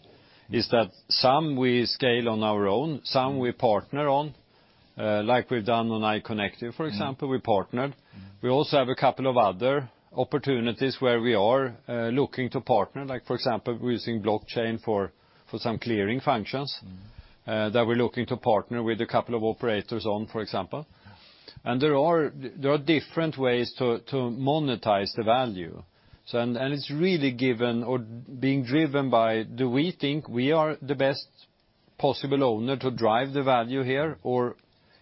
is that some we scale on our own, some we partner on, like we've done on iconectiv, for example, we partnered. We also have a couple of other opportunities where we are looking to partner. Like, for example, we're using blockchain for some clearing functions that we're looking to partner with a couple of operators on, for example. There are different ways to monetize the value. It's really given or being driven by, do we think we are the best possible owner to drive the value here? Or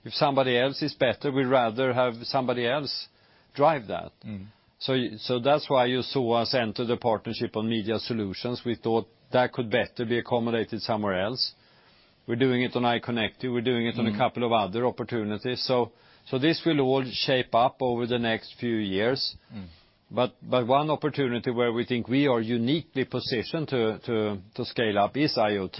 if somebody else is better, we'd rather have somebody else drive that. That's why you saw us enter the partnership on Media Solutions. We thought that could better be accommodated somewhere else. We're doing it on iconectiv. We're doing it on a couple of other opportunities. This will all shape up over the next few years. One opportunity where we think we are uniquely positioned to scale up is IoT.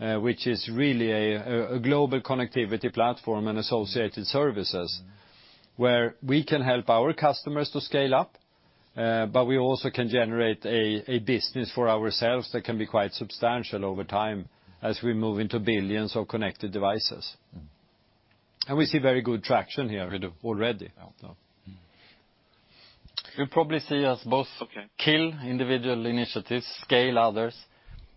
Yeah. Which is really a global connectivity platform and associated services where we can help our customers to scale up, but we also can generate a business for ourselves that can be quite substantial over time as we move into billions of connected devices. We see very good traction here already. Yeah. You'll probably see us both kill individual initiatives, scale others,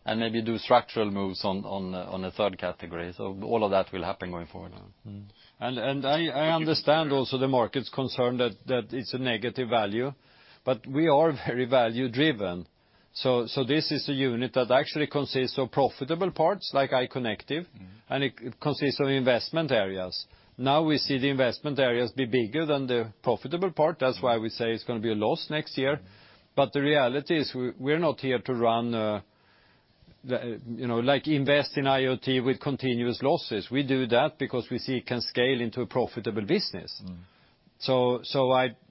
and maybe do structural moves on a third category. All of that will happen going forward. I understand also the market's concern that it's a negative value, but we are very value-driven. This is a unit that actually consists of profitable parts like iconectiv, and it consists of investment areas. Now we see the investment areas be bigger than the profitable part. That's why we say it's going to be a loss next year. The reality is we're not here to invest in IoT with continuous losses. We do that because we see it can scale into a profitable business.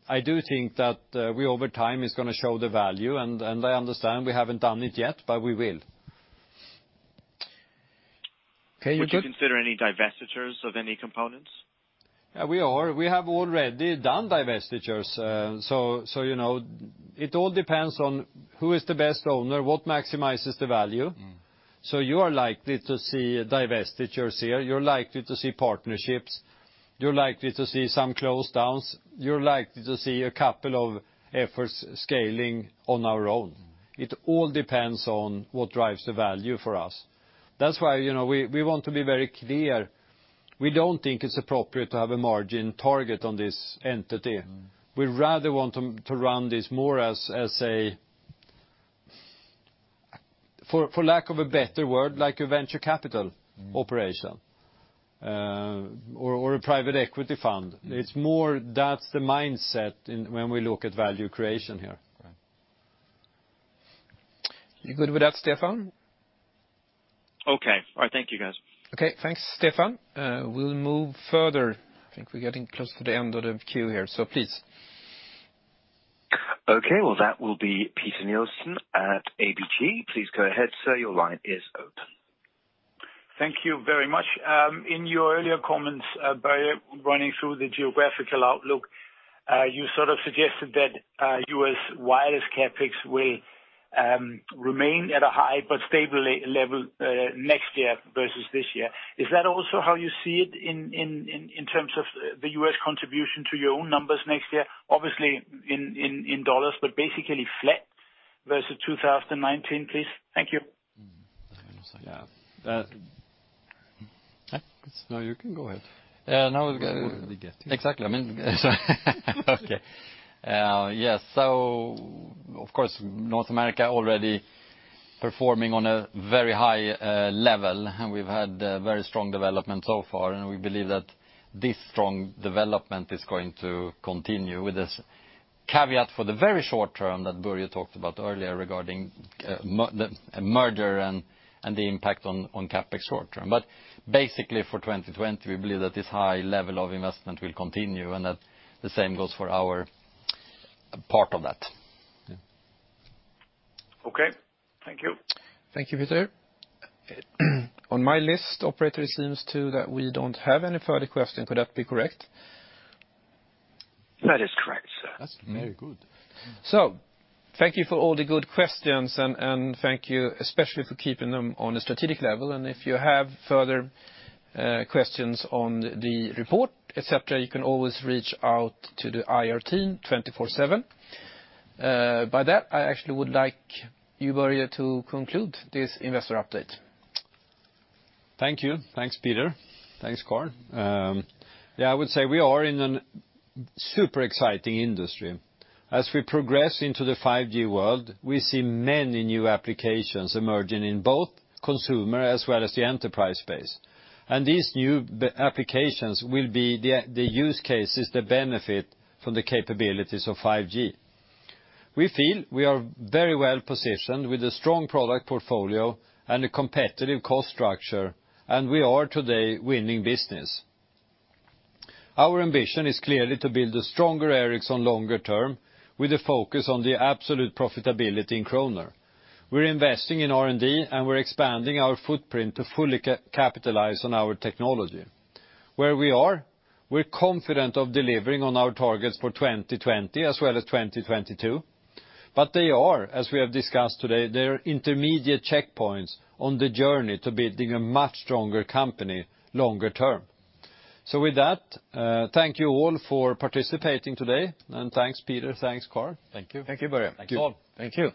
I do think that we, over time, is going to show the value, and I understand we haven't done it yet, but we will. Can you- Would you consider any divestitures of any components? Yeah. We have already done divestitures. It all depends on who is the best owner, what maximizes the value. You are likely to see divestitures here. You're likely to see partnerships. You're likely to see some closedowns. You're likely to see a couple of efforts scaling on our own. It all depends on what drives the value for us. That's why we want to be very clear. We don't think it's appropriate to have a margin target on this entity. We'd rather want to run this more as a, for lack of a better word, like a venture capital operation or a private equity fund. It's more that's the mindset when we look at value creation here. Right. You good with that, Stefan? Okay. All right. Thank you, guys. Okay. Thanks, Stefan. We'll move further. I think we're getting close to the end of the queue here, so please. Okay. Well, that will be Peter Nielsen at ABG. Please go ahead, sir. Your line is open. Thank you very much. In your earlier comments, Börje, running through the geographical outlook, you sort of suggested that U.S. wireless CapEx will remain at a high but stable level next year versus this year. Is that also how you see it in terms of the U.S. contribution to your own numbers next year? Obviously in dollars, but basically flat versus 2019, please. Thank you. Yeah. No, you can go ahead. Yeah, no. That's what we get here. Exactly. Okay. Yes. Of course, North America already performing on a very high level. We've had a very strong development so far, and we believe that this strong development is going to continue with this caveat for the very short term that Börje talked about earlier regarding merger and the impact on CapEx short-term. Basically for 2020, we believe that this high level of investment will continue, and that the same goes for our part of that. Okay. Thank you. Thank you, Peter. On my list, operator, it seems, too, that we don't have any further question. Could that be correct? That is correct, sir. That's very good. Thank you for all the good questions, and thank you especially for keeping them on a strategic level. If you have further questions on the report, et cetera, you can always reach out to the IR team 24/7. By that, I actually would like you, Börje, to conclude this investor update. Thank you. Thanks, Peter. Thanks, Carl. Yeah, I would say we are in a super exciting industry. As we progress into the 5G world, we see many new applications emerging in both consumer as well as the enterprise space. These new applications will be the use cases that benefit from the capabilities of 5G. We feel we are very well-positioned with a strong product portfolio and a competitive cost structure, we are today winning business. Our ambition is clearly to build a stronger Ericsson longer term with a focus on the absolute profitability in krona. We're investing in R&D, we're expanding our footprint to fully capitalize on our technology. Where we are, we're confident of delivering on our targets for 2020 as well as 2022. They are, as we have discussed today, they're intermediate checkpoints on the journey to building a much stronger company longer term. With that, thank you all for participating today. Thanks, Peter. Thanks, Carl. Thank you. Thank you, Börje. Thanks, all. Thank you.